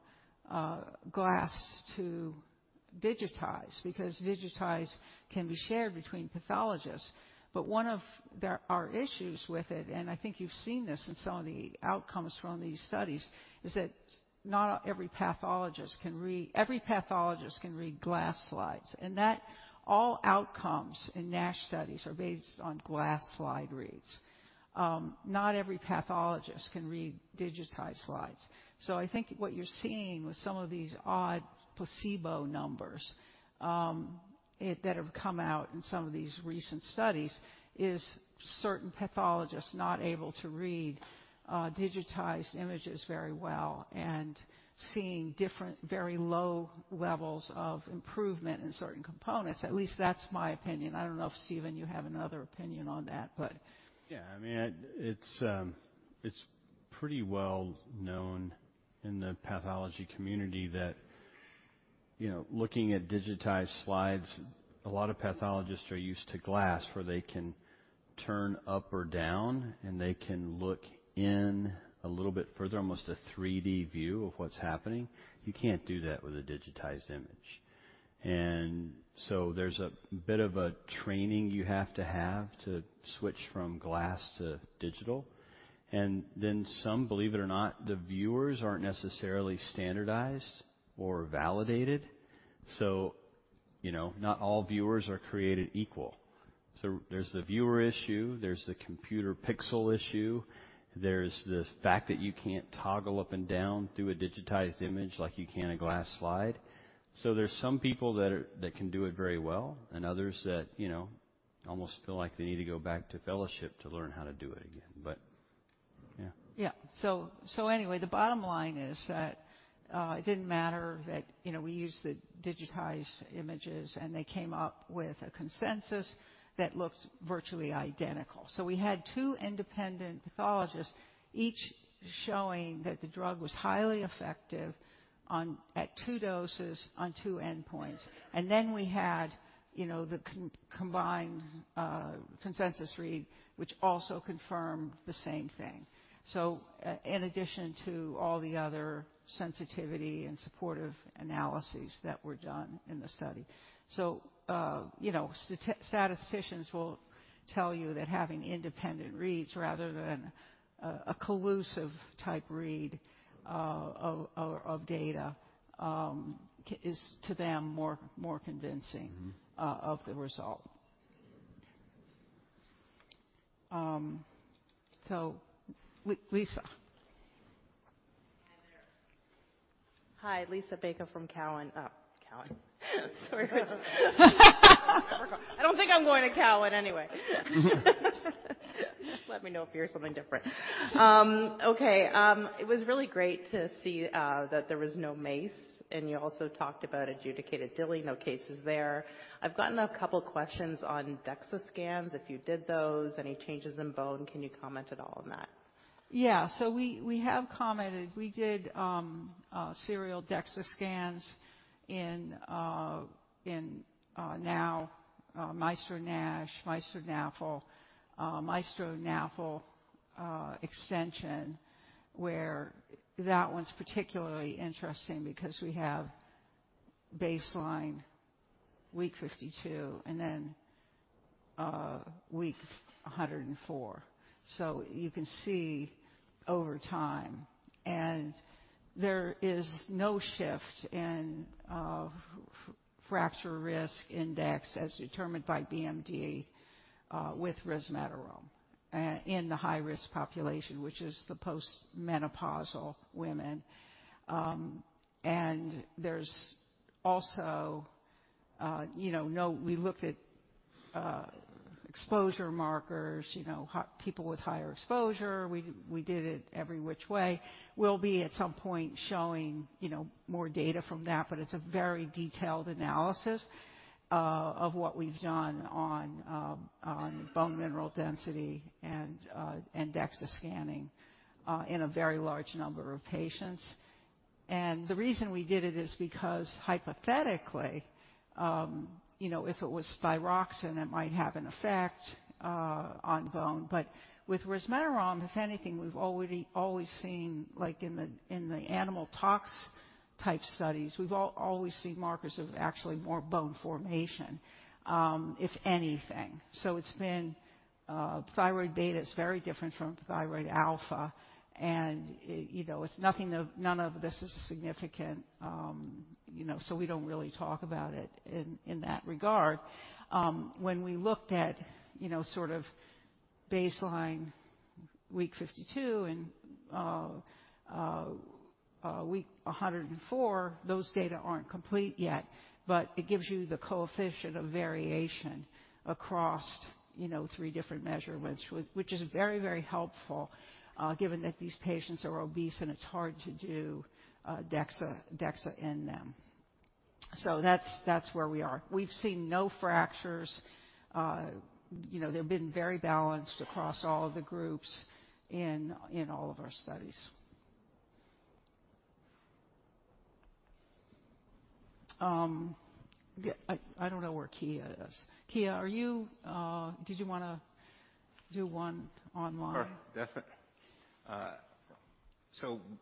glass to digitized, because digitized can be shared between pathologists. One of there are issues with it, and I think you've seen this in some of the outcomes from these studies, is that not every pathologist can read-- Every pathologist can read glass slides, and that all outcomes in NASH studies are based on glass slide reads. Not every pathologist can read digitized slides. I think what you're seeing with some of these odd placebo numbers, that have come out in some of these recent studies, is certain pathologists not able to read, digitized images very well and seeing different, very low levels of improvement in certain components. At least that's my opinion. I don't know if, Stephen, you have another opinion on that. Yeah, I mean, it's pretty well known in the pathology community that, you know, looking at digitized slides, a lot of pathologists are used to glass, where they can turn up or down, and they can look in a little bit further, almost a 3D view of what's happening. You can't do that with a digitized image. There's a bit of a training you have to have to switch from glass to digital. Then some, believe it or not, the viewers aren't necessarily standardized or validated, so, you know, not all viewers are created equal. There's the viewer issue, there's the computer pixel issue, there's the fact that you can't toggle up and down through a digitized image like you can a glass slide. There's some people that can do it very well, and others that, you know, almost feel like they need to go back to fellowship to learn how to do it again. Yeah. Yeah. So anyway, the bottom line is that it didn't matter that, you know, we used the digitized images, and they came up with a consensus that looked virtually identical. So we had 2 independent pathologists, each showing that the drug was highly effective at 2 doses on 2 endpoints. Then we had, you know, the combined consensus read, which also confirmed the same thing. In addition to all the other sensitivity and supportive analyses that were done in the study. You know, statisticians will tell you that having independent reads rather than a collusive-type read of data is to them, more convincingof the result. Lisa? Hi, there. Hi, Lisa Baker from Cowen. Cowen. Sorry. I don't think I'm going to Cowen anyway. Let me know if you hear something different. Okay, it was really great to see that there was no MACE. You also talked about adjudicated DILI, no cases there. I've gotten a couple questions on DEXA scans, if you did those, any changes in bone. Can you comment at all on that? Yeah. We have commented. We did serial DEXA scans in MAESTRO-NASH, MAESTRO-NAFLD-1 extension, where that one's particularly interesting because we have baseline week 52 and then week 104. You can see over time, there is no shift in fracture risk index, as determined by BMD, with resmetirom in the high-risk population, which is the post-menopausal women. There's also, you know, We looked at exposure markers, you know, people with higher exposure. We did it every which way. We'll be, at some point, showing, you know, more data from that, but it's a very detailed analysis of what we've done on bone mineral density and DEXA scanning in a very large number of patients. The reason we did it is because, hypothetically, you know, if it was spironolactone, it might have an effect on bone. With resmetirom, if anything, we've already always seen, like in the animal tox type studies, we've always seen markers of actually more bone formation, if anything. It's been, THR-β is very different from thyroid alpha, and, you know, none of this is significant, you know, so we don't really talk about it in that regard. When we looked at, you know, sort of baseline week 52 and week 104, those data aren't complete yet, but it gives you the coefficient of variation across, you know, 3 different measurements, which is very, very helpful, given that these patients are obese and it's hard to do DEXA in them. That's where we are. We've seen no fractures. You know, they've been very balanced across all of the groups in all of our studies. Yeah, I don't know where Kia is. Kia, are you? Did you wanna do one online? Sure.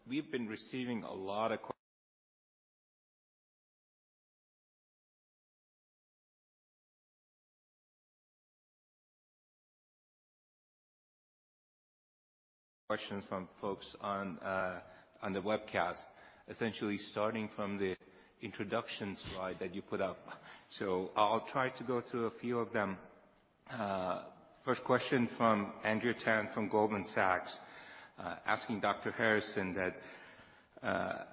We've been receiving a lot of questions from folks on the webcast, essentially starting from the introduction slide that you put up. I'll try to go through a few of them. First question from Andrea Tan, from Goldman Sachs, asking Dr. Harrison that,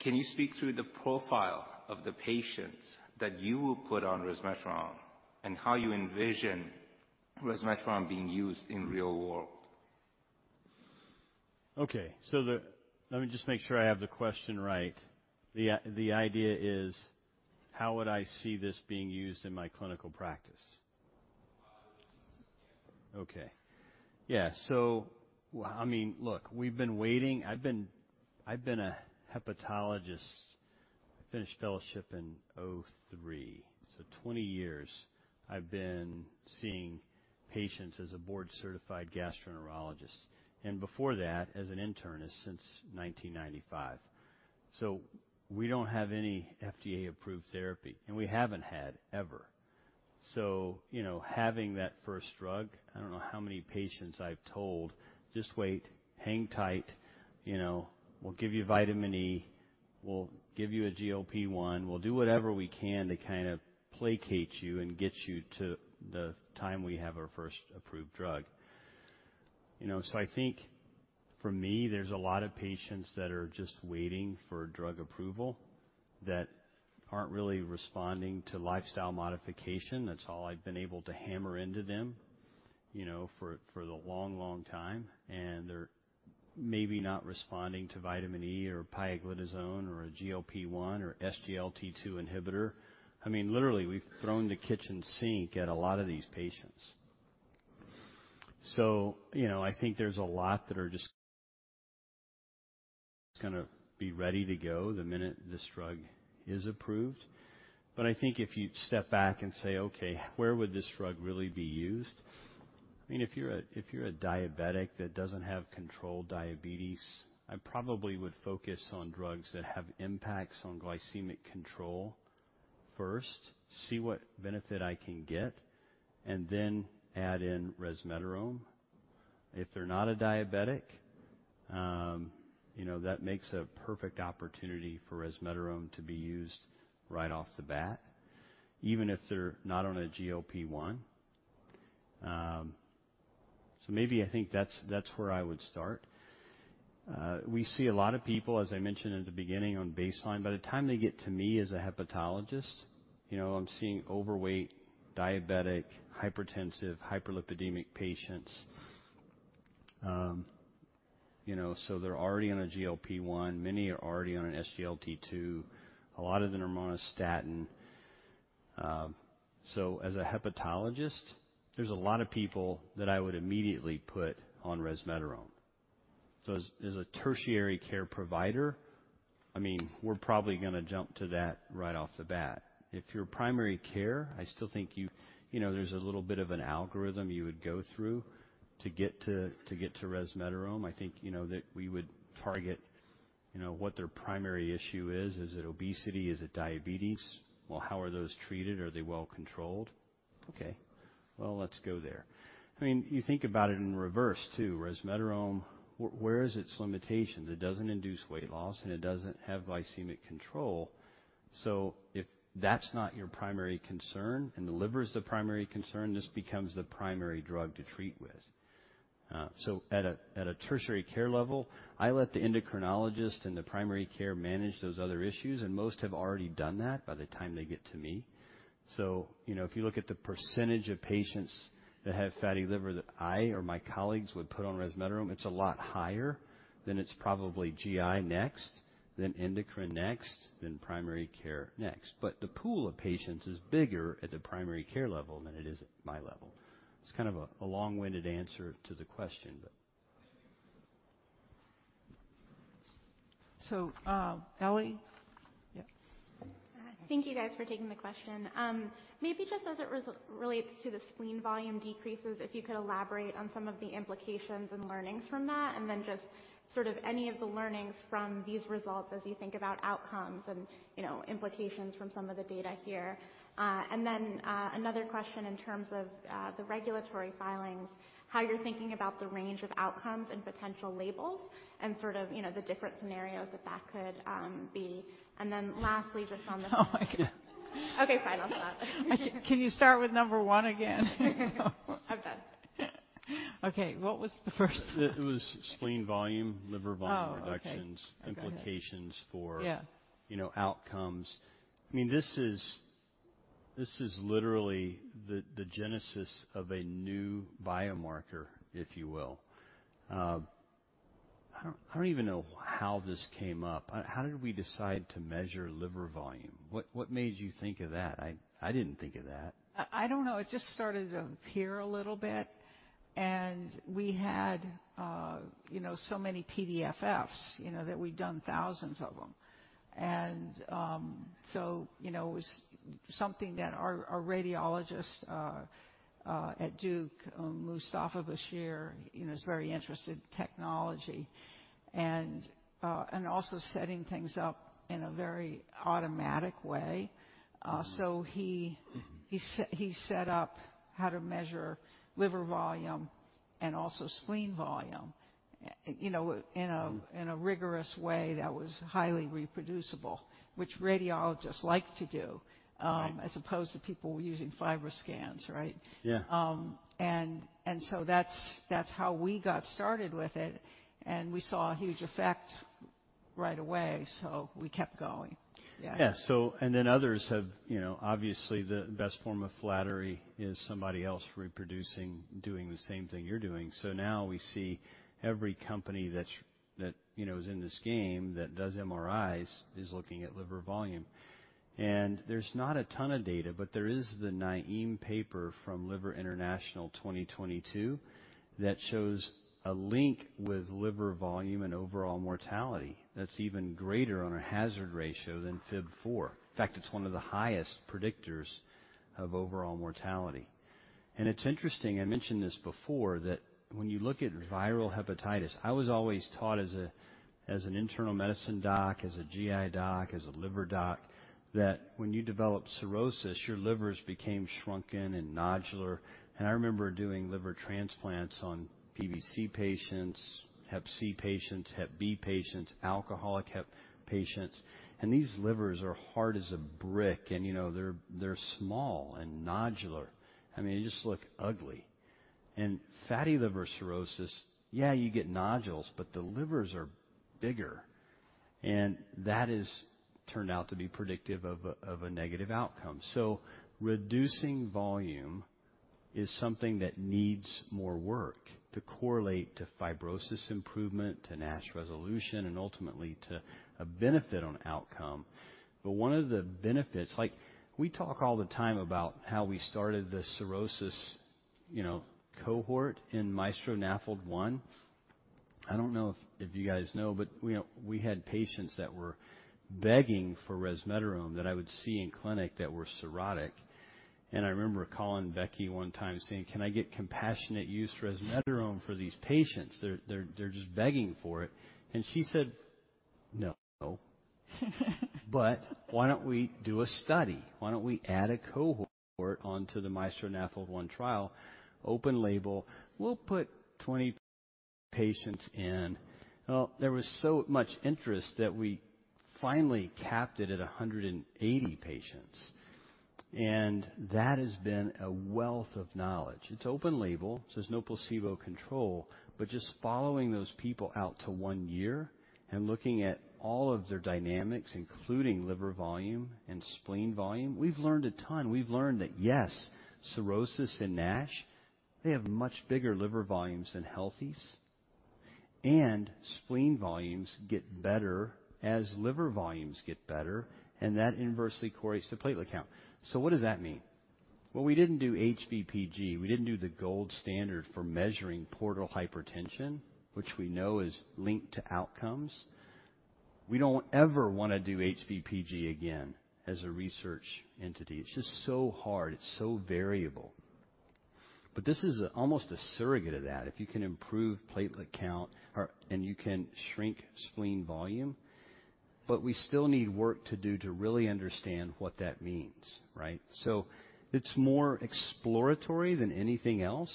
"Can you speak to the profile of the patients that you will put on resmetirom, and how you envision resmetirom being used in real world? Okay. Let me just make sure I have the question right. The idea is, how would I see this being used in my clinical practice? Okay. Yeah, well, I mean, look, we've been waiting. I've been a hepatologist. I finished fellowship in 2003, so 20 years, I've been seeing patients as a board-certified gastroenterologist, and before that, as an internist, since 1995. We don't have any FDA-approved therapy, and we haven't had, ever. You know, having that first drug, I don't know how many patients I've told, "Just wait, hang tight, you know, we'll give you vitamin E, we'll give you a GLP-1, we'll do whatever we can to kind of placate you and get you to the time we have our first approved drug." You know, I think for me, there's a lot of patients that are just waiting for drug approval, that aren't really responding to lifestyle modification. That's all I've been able to hammer into them, you know, for the long, long time, and they're maybe not responding to vitamin E or pioglitazone or a GLP-1 or SGLT2 inhibitor. I mean, literally, we've thrown the kitchen sink at a lot of these patients. You know, I think there's a lot that are just gonna be ready to go the minute this drug is approved. I think if you step back and say, "Okay, where would this drug really be used?" I mean, if you're a diabetic that doesn't have controlled diabetes, I probably would focus on drugs that have impacts on glycemic control first, see what benefit I can get, and then add in resmetirom. If they're not a diabetic, you know, that makes a perfect opportunity for resmetirom to be used right off the bat, even if they're not on a GLP-1. Maybe I think that's where I would start. We see a lot of people, as I mentioned at the beginning, on baseline. By the time they get to me as a hepatologist, you know, I'm seeing overweight, diabetic, hypertensive, hyperlipidemic patients. You know, they're already on a GLP-1. Many are already on an SGLT2. A lot of them are on a statin. As a hepatologist, there's a lot of people that I would immediately put on resmetirom. As a tertiary care provider, I mean, we're probably gonna jump to that right off the bat. If you're primary care, I still think you know, there's a little bit of an algorithm you would go through to get to resmetirom. I think, you know, that we would target, you know, what their primary issue is. Is it obesity? Is it diabetes? Well, how are those treated? Are they well controlled? Okay. Well, let's go there. I mean, you think about it in reverse, too. Resmetirom, where is its limitations? It doesn't induce weight loss, and it doesn't have glycemic control. If that's not your primary concern and the liver is the primary concern, this becomes the primary drug to treat with. At a tertiary care level, I let the endocrinologist and the primary care manage those other issues, and most have already done that by the time they get to me. You know, if you look at the percentage of patients that have fatty liver that I or my colleagues would put on resmetirom, it's a lot higher than it's probably GI next, then endocrine next, then primary care next. The pool of patients is bigger at the primary care level than it is at my level. It's kind of a long-winded answer to the question. Ellie? Yeah. Thank you guys for taking the question. Maybe just as it relates to the spleen volume decreases, if you could elaborate on some of the implications and learnings from that, and then just sort of any of the learnings from these results as you think about outcomes and, you know, implications from some of the data here. Then, another question in terms of the regulatory filings, how you're thinking about the range of outcomes and potential labels and sort of, you know, the different scenarios that that could be. Then lastly, just on the. Oh, my God. Okay, fine. I'll stop. Can you start with number one again? I'm done. Okay, what was the first? It was spleen volume, liver volume. Oh, okay. -reductions. Got it. Implications for- Yeah... you know, outcomes. I mean, this is literally the genesis of a new biomarker, if you will. I don't even know how this came up. How did we decide to measure liver volume? What made you think of that? I didn't think of that. I don't know. It just started to appear a little bit, and we had, you know, so many PDFFs, you know, that we've done thousands of them. you know, it was something that our radiologist, at Duke, Mustafa Bashir, you know, is very interested in technology and also setting things up in a very automatic way. Mm-hmm. Uh, so he set up how to measure liver volume and also spleen volume, you know, in a rigorous way that was highly reproducible, which radiologists like to do. Right... as opposed to people using FibroScan, right? Yeah. That's how we got started with it, and we saw a huge effect right away, so we kept going. Yeah. Yeah. Others have, you know, obviously, the best form of flattery is somebody else reproducing, doing the same thing you're doing. Now we see every company that's, you know, is in this game, that does MRIs, is looking at liver volume. There's not a ton of data, but there is the Naim paper from Liver International 2022, that shows a link with liver volume and overall mortality. That's even greater on a hazard ratio than FIB-4. In fact, it's 1 of the highest predictors of overall mortality. It's interesting, I mentioned this before, that when you look at viral hepatitis, I was always taught as an internal medicine doc, as a GI doc, as a liver doc, that when you develop cirrhosis, your livers became shrunken and nodular. I remember doing liver transplants on PBC patients, hep C patients, hep B patients, alcoholic hep patients, and these livers are hard as a brick, and, you know, they're small and nodular. I mean, they just look ugly. Fatty liver cirrhosis, yeah, you get nodules, but the livers are bigger, and that is turned out to be predictive of a negative outcome. Reducing volume is something that needs more work to correlate to fibrosis improvement, to NASH resolution, and ultimately to a benefit on outcome. One of the benefits, like, we talk all the time about how we started the cirrhosis, you know, cohort in MAESTRO-NAFLD-1. I don't know if you guys know, but we know we had patients that were begging for resmetirom, that I would see in clinic that were cirrhotic. I remember calling Becky one time saying, "Can I get compassionate use resmetirom for these patients? They're just begging for it." She said, "No." "Why don't we do a study? Why don't we add a cohort onto the MAESTRO-NAFLD-1 trial, open label. We'll put 20 patients in." There was so much interest that we finally capped it at 180 patients, and that has been a wealth of knowledge. It's open label, so there's no placebo control, but just following those people out to 1 year and looking at all of their dynamics, including liver volume and spleen volume, we've learned a ton. We've learned that, yes, cirrhosis and NASH, they have much bigger liver volumes than healthies, and spleen volumes get better as liver volumes get better, and that inversely correlates to platelet count. What does that mean? Well, we didn't do HVPG. We didn't do the gold standard for measuring portal hypertension, which we know is linked to outcomes. We don't ever wanna do HVPG again as a research entity. It's just so hard. It's so variable. This is almost a surrogate of that. If you can improve platelet count or... and you can shrink spleen volume, but we still need work to do to really understand what that means, right? It's more exploratory than anything else,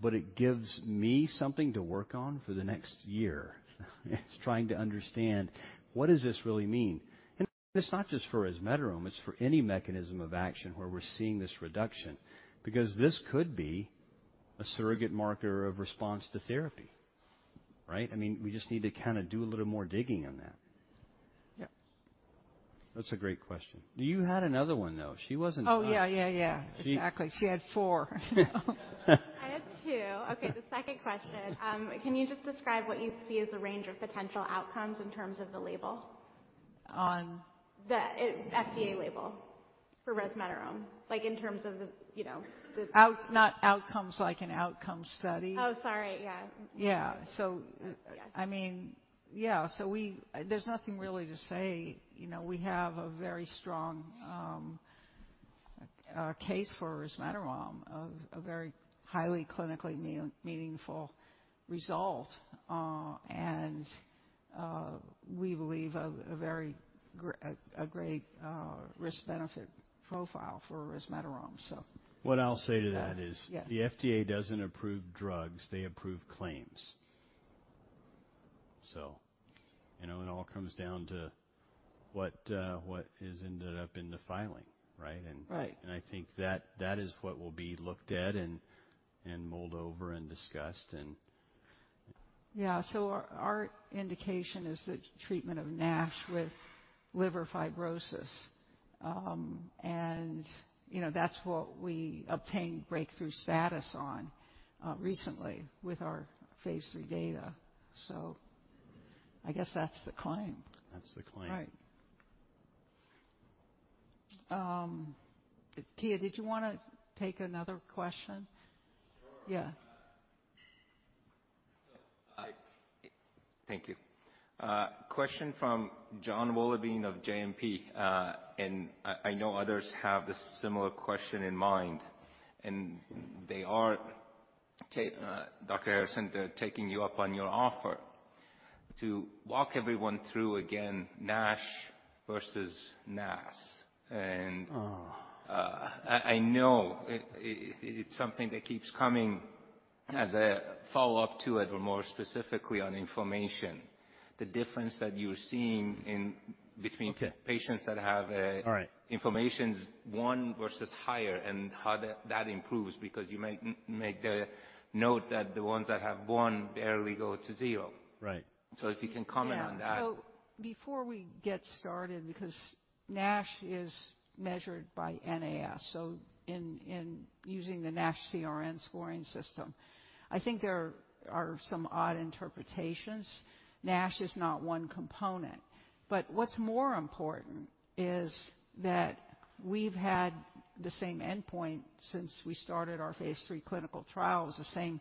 but it gives me something to work on for the next year. It's trying to understand, what does this really mean? It's not just for resmetirom, it's for any mechanism of action where we're seeing this reduction, because this could be a surrogate marker of response to therapy, right? I mean, we just need to kinda do a little more digging on that. Yeah. That's a great question. You had another one, though. She wasn't done. Oh, yeah, yeah. She- Exactly. She had four. I had two. The second question, can you just describe what you see as a range of potential outcomes in terms of the label? On? The, FDA label. For resmetirom, like in terms of the, you know, Not outcomes like an outcome study. Oh, sorry. Yeah. Yeah. Yes. I mean, yeah, there's nothing really to say. You know, we have a very strong case for resmetirom, of a very highly clinically meaningful result. We believe a very great risk-benefit profile for resmetirom. What I'll say to that is. Yeah. The FDA doesn't approve drugs. They approve claims. You know, it all comes down to what has ended up in the filing, right? Right. I think that is what will be looked at and mulled over and discussed, and... Yeah. Our indication is the treatment of NASH with liver fibrosis. You know, that's what we obtained breakthrough status on recently with our phase III data. I guess that's the claim. That's the claim. Right. Kia, did you wanna take another question? Sure. Yeah. Thank you. Question from Jonathan Wolleben of JMP, and I know others have a similar question in mind, and they are Dr. Harrison, they're taking you up on your offer to walk everyone through again, NASH versus NAS. Oh. I know it's something that keeps coming. As a follow-up to it, or more specifically on inflammation, the difference that you're seeing in between. Okay. patients that have... All right. -inflammations, one versus higher, and how that improves, because you make the note that the ones that have one barely go to zero. Right. If you can comment on that. Yeah. Before we get started, because NASH is measured by NAS, in using the NASH CRN scoring system, I think there are some odd interpretations. NASH is not one component, what's more important is that we've had the same endpoint since we started our phase III clinical trials, the same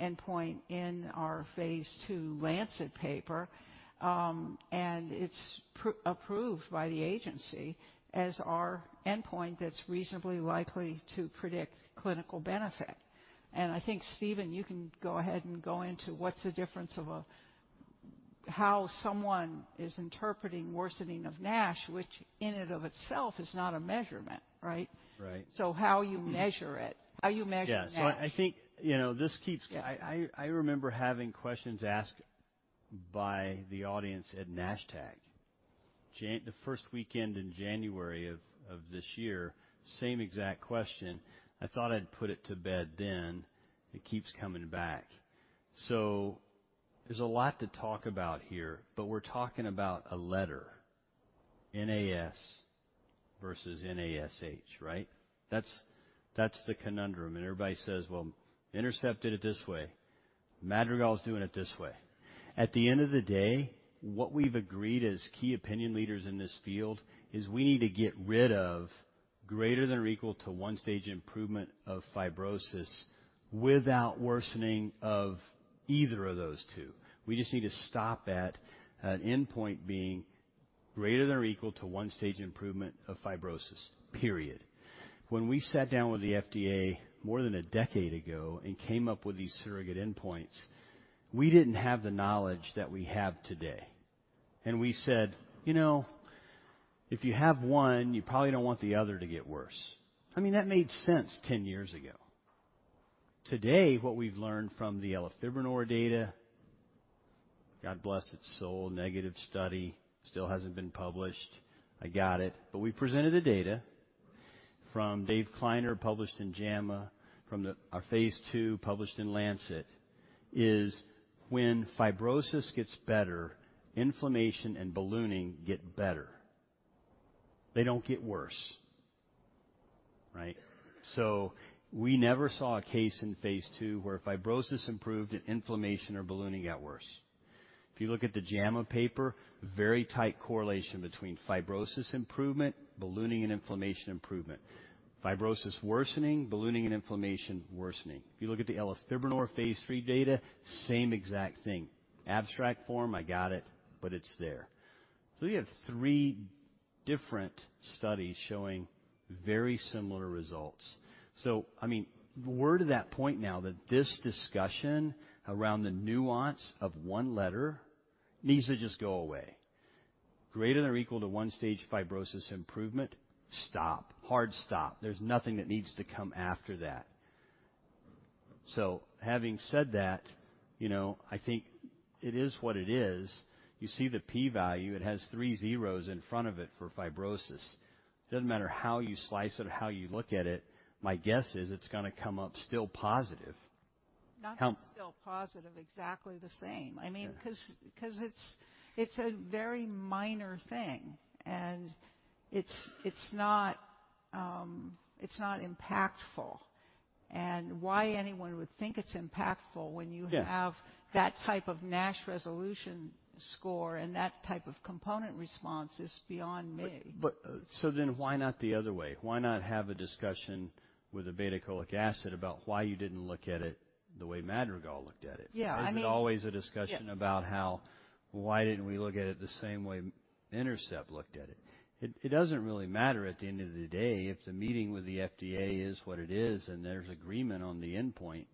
endpoint in our phase II Lancet paper. It's approved by the agency as our endpoint that's reasonably likely to predict clinical benefit. I think, Stephen, you can go ahead and go into how someone is interpreting worsening of NASH, which in and of itself is not a measurement, right? Right. How you measure it, how you measure NASH? Yeah. I think, you know. Yeah. I remember having questions asked by the audience at NASH TAG. The first weekend in January of this year, same exact question. I thought I'd put it to bed then. It keeps coming back. There's a lot to talk about here, we're talking about a letter, N-A-S versus N-A-S-H, right? That's the conundrum, everybody says, "Well, Intercept did it this way. Madrigal is doing it this way." At the end of the day, what we've agreed as key opinion leaders in this field is we need to get rid of greater than or equal to one stage improvement of fibrosis without worsening of either of those two. We just need to stop at an endpoint being greater than or equal to one stage improvement of fibrosis, period. When we sat down with the FDA more than a decade ago and came up with these surrogate endpoints, we didn't have the knowledge that we have today, and we said: "You know, if you have one, you probably don't want the other to get worse." I mean, that made sense 10 years ago. Today, what we've learned from the elafibranor data, God bless its soul, negative study, still hasn't been published. I got it. We presented the data from Dave Kleiner, published in JAMA, from Our phase II, published in The Lancet, is when fibrosis gets better, inflammation and ballooning get better. They don't get worse, right? We never saw a case in phase II, where fibrosis improved and inflammation or ballooning got worse. If you look at the JAMA paper, very tight correlation between fibrosis improvement, ballooning and inflammation improvement. Fibrosis worsening, ballooning and inflammation worsening. If you look at the elafibranor phase III data, same exact thing. Abstract form, I got it, but it's there. You have 3 different studies showing very similar results. I mean, we're to that point now that this discussion around the nuance of 1 letter needs to just go away. Greater than or equal to 1 stage fibrosis improvement, stop, hard stop. There's nothing that needs to come after that. Having said that, you know, I think it is what it is. You see the P value, it has 3 zeros in front of it for fibrosis. Doesn't matter how you slice it or how you look at it, my guess is it's gonna come up still positive. Not still positive, exactly the same. Yeah. I mean, cause it's a very minor thing, and it's not impactful. Why anyone would think it's impactful when you- Yeah. have that type of NASH resolution score and that type of component response is beyond me. Why not the other way? Why not have a discussion with the obeticholic acid about why you didn't look at it the way Madrigal looked at it? Yeah. Is it always a discussion about? Yeah. Why didn't we look at it the same way Intercept looked at it? It doesn't really matter at the end of the day, if the meeting with the FDA is what it is, and there's agreement on the endpoint,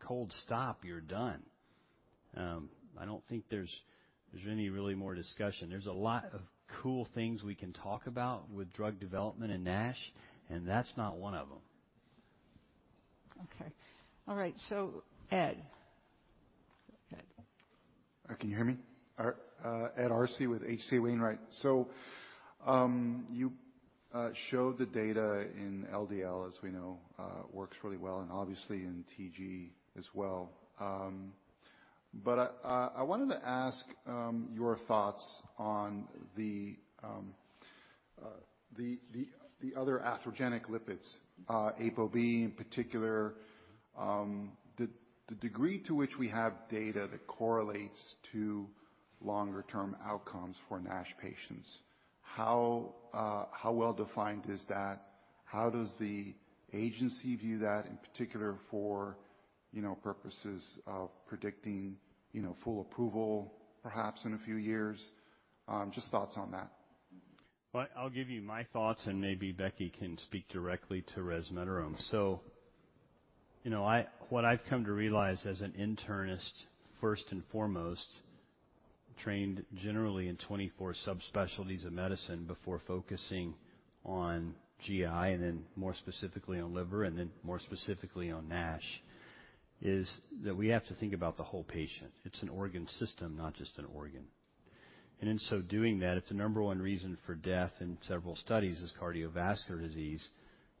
cold stop, you're done. I don't think there's any really more discussion. There's a lot of cool things we can talk about with drug development and NASH, and that's not one of them. Okay. All right. Ed. Ed? Can you hear me? Ed Arce with H.C. Wainwright. You showed the data in LDL, as we know, works really well and obviously in TG as well. I wanted to ask your thoughts on the other atherogenic lipids, ApoB in particular. The degree to which we have data that correlates to longer-term outcomes for NASH patients, how well-defined is that? How does the agency view that, in particular for, you know, purposes of predicting, you know, full approval, perhaps in a few years? Just thoughts on that. Well, I'll give you my thoughts, and maybe Becky can speak directly to resmetirom. You know, I... What I've come to realize as an internist, first and foremost, trained generally in 24 subspecialties of medicine before focusing on GI, and then more specifically on liver, and then more specifically on NASH, is that we have to think about the whole patient. In so doing that, it's the number 1 reason for death in several studies, is cardiovascular disease,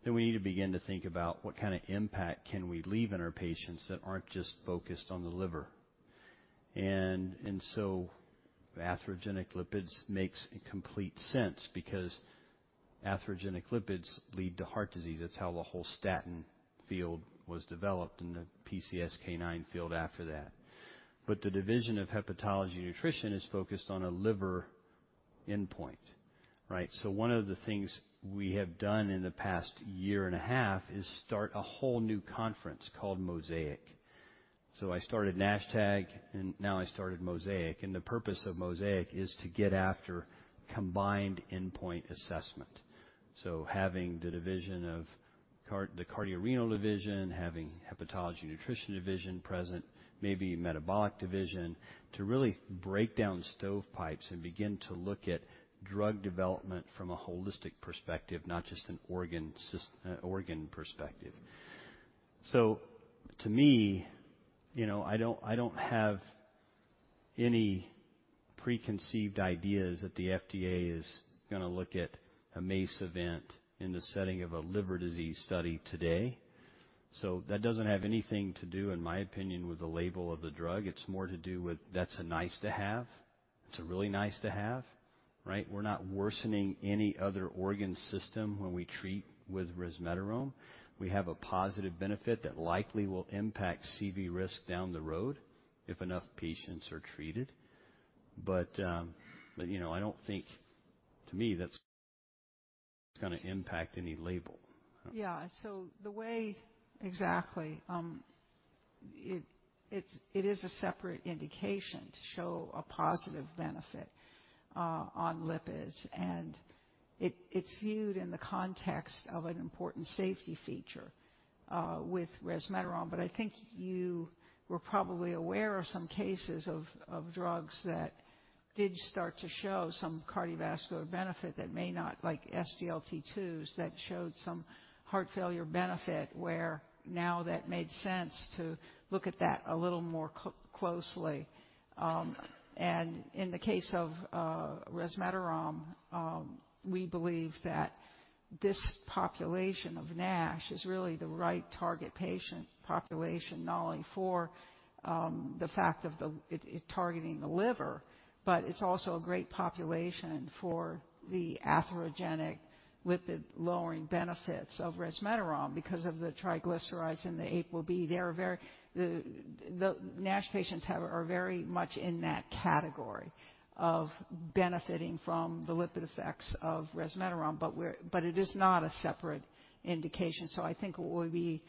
then we need to begin to think about what kind of impact can we leave in our patients that aren't just focused on the liver. Atherogenic lipids makes complete sense because atherogenic lipids lead to heart disease. That's how the whole statin field was developed and the PCSK9 field after that. The division of hepatology nutrition is focused on a liver endpoint, right? One of the things we have done in the past one and a half years is start a whole new conference called Mosaic. I started NASH TAG, and now I started Mosaic, and the purpose of Mosaic is to get after combined endpoint assessment. Having the division of the cardiorenal division, having hepatology nutrition division present, maybe metabolic division, to really break down stovepipes and begin to look at drug development from a holistic perspective, not just an organ perspective. To me, you know, I don't have any preconceived ideas that the FDA is gonna look at a MACE event in the setting of a liver disease study today. That doesn't have anything to do, in my opinion, with the label of the drug. It's more to do with, that's a nice to have. It's a really nice to have, right? We're not worsening any other organ system when we treat with resmetirom. We have a positive benefit that likely will impact CV risk down the road if enough patients are treated. you know, I don't think to me, that's gonna impact any label. Yeah. Exactly. It is a separate indication to show a positive benefit on lipids, and it's viewed in the context of an important safety feature with resmetirom. I think you were probably aware of some cases of drugs that did start to show some cardiovascular benefit that may not, like SGLT2s, that showed some heart failure benefit, where now that made sense to look at that a little more closely. In the case of resmetirom, we believe that this population of NASH is really the right target patient population, not only for the fact of it targeting the liver, but it's also a great population for the atherogenic lipid-lowering benefits of resmetirom because of the triglycerides and the ApoB. They are very the NASH patients are very much in that category of benefiting from the lipid effects of resmetirom, but it is not a separate indication. I think it will be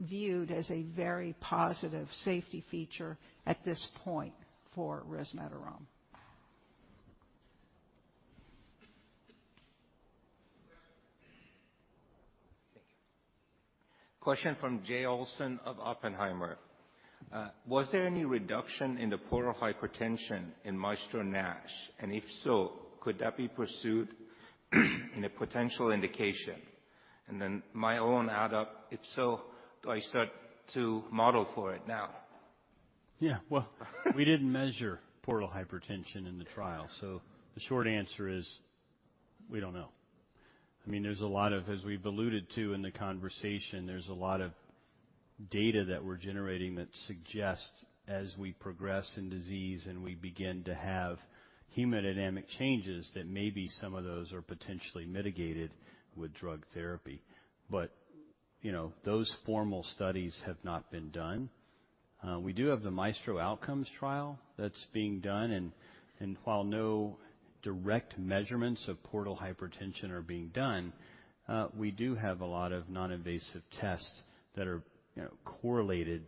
viewed as a very positive safety feature at this point for resmetirom. Thank you. Question from Jay Olson of Oppenheimer. Was there any reduction in the portal hypertension in MAESTRO NASH? If so, could that be pursued in a potential indication? Then my own add up, if so, do I start to model for it now? Yeah. Well, we didn't measure portal hypertension in the trial. The short answer is we don't know. I mean, as we've alluded to in the conversation, there's a lot of data that we're generating that suggests as we progress in disease, and we begin to have hemodynamic changes, that maybe some of those are potentially mitigated with drug therapy. You know, those formal studies have not been done. We do have the MAESTRO-NASH OUTCOMES trial that's being done, and while no direct measurements of portal hypertension are being done, we do have a lot of non-invasive tests that are, you know, correlated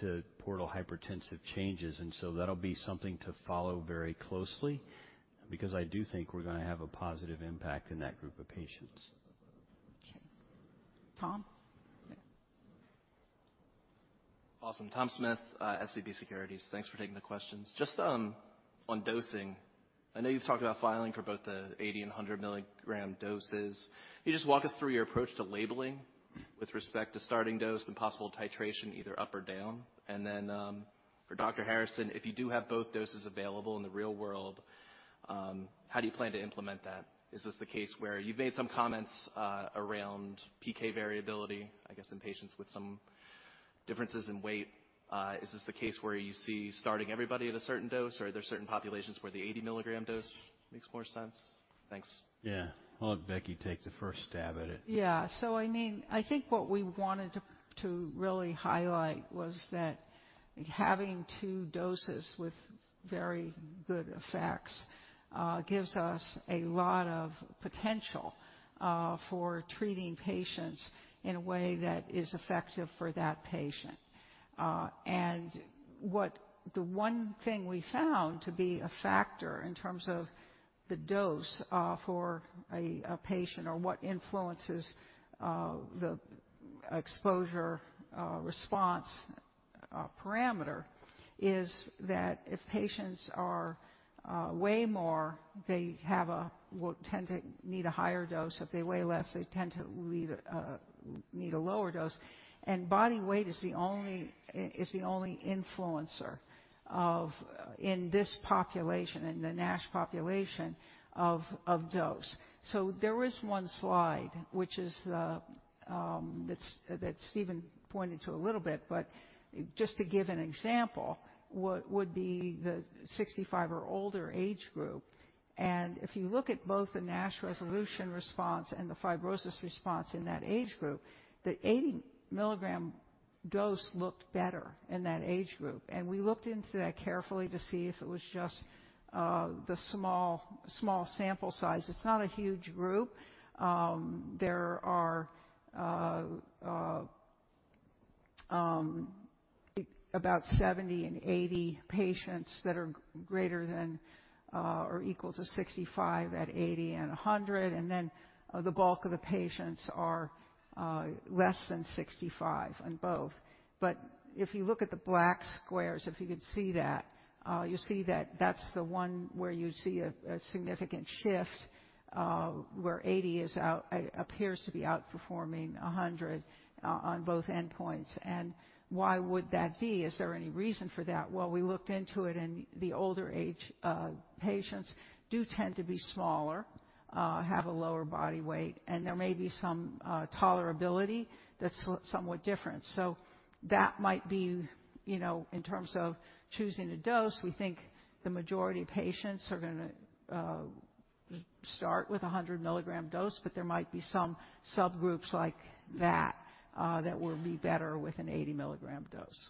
to portal hypertensive changes. That'll be something to follow very closely because I do think we're gonna have a positive impact in that group of patients. Okay. Tom? Awesome. Thomas Smith, SVB Securities. Thanks for taking the questions. Just on dosing, I know you've talked about filing for both the 80 and 100 milligram doses. Can you just walk us through your approach to labeling with respect to starting dose and possible titration, either up or down? Then, for Dr. Harrison, if you do have both doses available in the real world, how do you plan to implement that? Is this the case where you've made some comments around PK variability, I guess, in patients with some differences in weight? Is this the case where you see starting everybody at a certain dose, or are there certain populations where the 80 milligram dose makes more sense? Thanks. Yeah. I'll let Becky take the first stab at it. Yeah. I mean, I think what we wanted to really highlight was that having two doses with very good effects gives us a lot of potential for treating patients in a way that is effective for that patient. What the one thing we found to be a factor in terms of the dose for a patient or what influences the exposure response parameter, is that if patients are weigh more, they will tend to need a higher dose. If they weigh less, they tend to need a lower dose. Body weight is the only influencer of, in this population, in the NASH population, of dose. There is one slide, which is the... that Stephen pointed to a little bit, but just to give an example, what would be the 65 or older age group, and if you look at both the NASH resolution response and the fibrosis response in that age group, the 80 milligram dose looked better in that age group. We looked into that carefully to see if it was just the small sample size. It's not a huge group. There are about 70 and 80 patients that are greater than or equal to 65 at 80 and 100, then the bulk of the patients are less than 65 in both. If you look at the black squares, if you could see that, you'll see that that's the one where you see a significant shift, where 80 appears to be outperforming 100 on both endpoints. Why would that be? Is there any reason for that? We looked into it, and the older age patients do tend to be smaller, have a lower body weight, and there may be some tolerability that's somewhat different. That might be, you know, in terms of choosing a dose, we think the majority of patients are gonna start with a 100 milligram dose, but there might be some subgroups like that that will be better with an 80 milligram dose.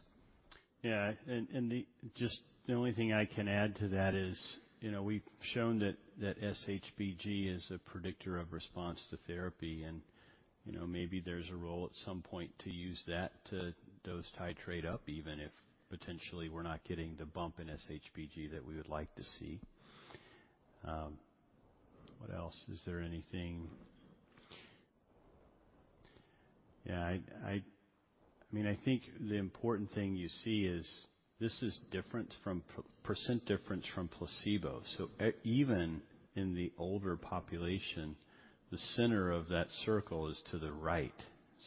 The only thing I can add to that is, you know, we've shown that SHBG is a predictor of response to therapy. You know, maybe there's a role at some point to use that to dose titrate up, even if potentially we're not getting the bump in SHBG that we would like to see. What else? I mean, I think the important thing you see is this is different from percent difference from placebo. Even in the older population, the center of that circle is to the right,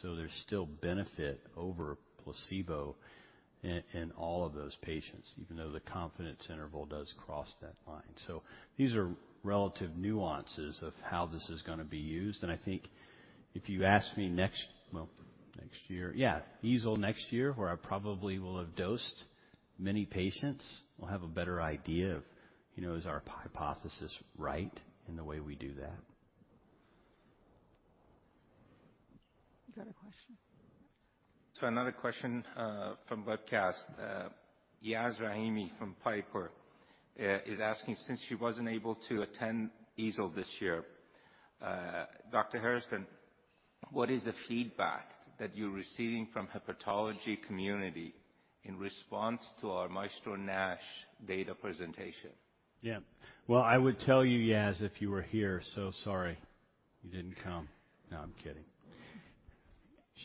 so there's still benefit over placebo in all of those patients, even though the confidence interval does cross that line. These are relative nuances of how this is gonna be used, and I think if you ask me next, well, next year, yeah, EASL next year, where I probably will have dosed many patients, we'll have a better idea of, you know, is our hypothesis right in the way we do that? You got a question? Another question from webcast. Yaz Rahimi from Piper is asking, since she wasn't able to attend EASL this year, "Dr. Harrison, what is the feedback that you're receiving from hepatology community in response to our MAESTRO-NASH data presentation? Yeah. Well, I would tell you, Yaz, if you were here, so sorry you didn't come. No, I'm kidding.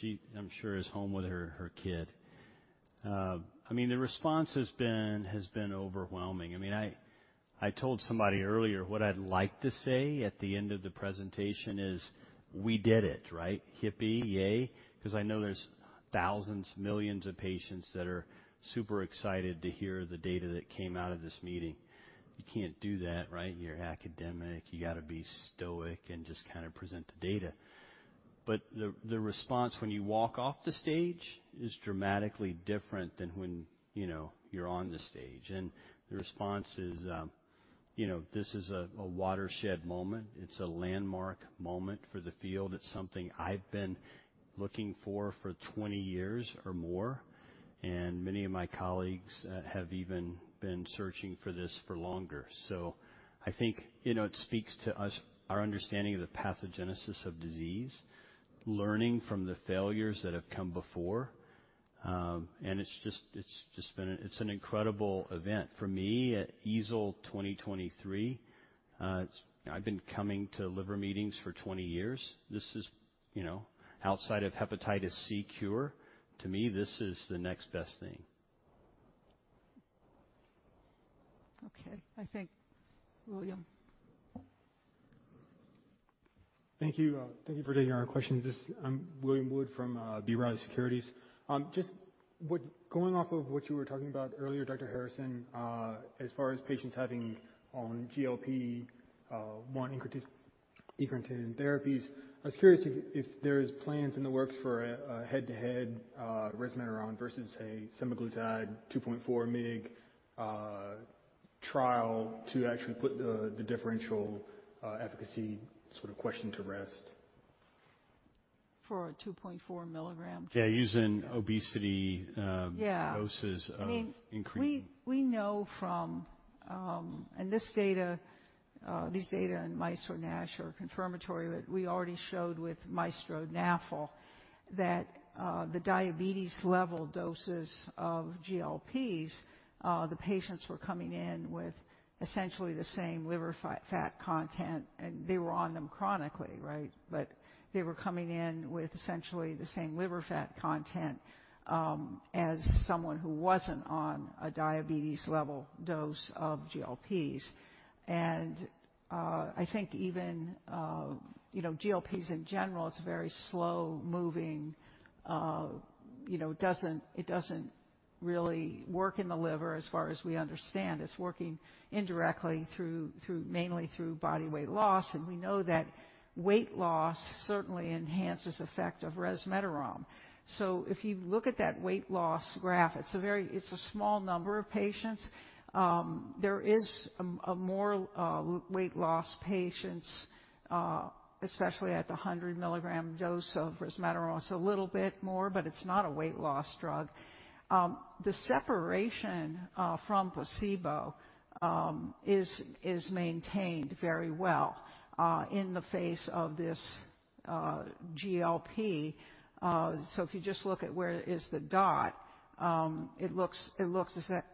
She, I'm sure, is home with her kid. I mean, the response has been overwhelming. I mean, I told somebody earlier, what I'd like to say at the end of the presentation is: We did it, right? Yippee, yay! 'Cause I know there's thousands, millions of patients that are super excited to hear the data that came out of this meeting. You can't do that, right? You're academic. You gotta be stoic and just kind of present the data. The response when you walk off the stage is dramatically different than when, you know, you're on the stage. The response is, you know, this is a watershed moment. It's a landmark moment for the field. It's something I've been looking for 20 years or more. Many of my colleagues have even been searching for this for longer. I think, you know, it speaks to us, our understanding of the pathogenesis of disease, learning from the failures that have come before. It's just been a, it's an incredible event for me at EASL 2023. I've been coming to liver meetings for 20 years. This is, you know, outside of hepatitis C cure, to me, this is the next best thing. Okay. I think, William. Thank you. Thank you for taking our questions. I'm William Wood from B. Riley Securities. Just going off of what you were talking about earlier, Dr. Harrison, as far as patients having on GLP one incretin therapies, I was curious if there's plans in the works for a head-to-head resmetirom versus a semaglutide 2.4 mig trial, to actually put the differential efficacy sort of question to rest. For a 2.4 milligram? Yeah, using obesity. Yeah. Doses of increased- I mean, we know from this data, these data in MAESTRO-NASH are confirmatory. We already showed with MAESTRO-NAFL that the diabetes level doses of GLPs, the patients were coming in with essentially the same liver fat content, and they were on them chronically, right? They were coming in with essentially the same liver fat content, as someone who wasn't on a diabetes level dose of GLPs. I think even, you know, GLPs, in general, it's very slow-moving. You know, it doesn't really work in the liver as far as we understand. It's working indirectly through mainly through body weight loss, and we know that weight loss certainly enhances effect of resmetirom. If you look at that weight loss graph, it's a small number of patients. There is a more weight loss patients, especially at the 100 mg dose of resmetirom. A little bit more, but it's not a weight loss drug. The separation from placebo is maintained very well in the face of this GLP. If you just look at where is the dot, it looks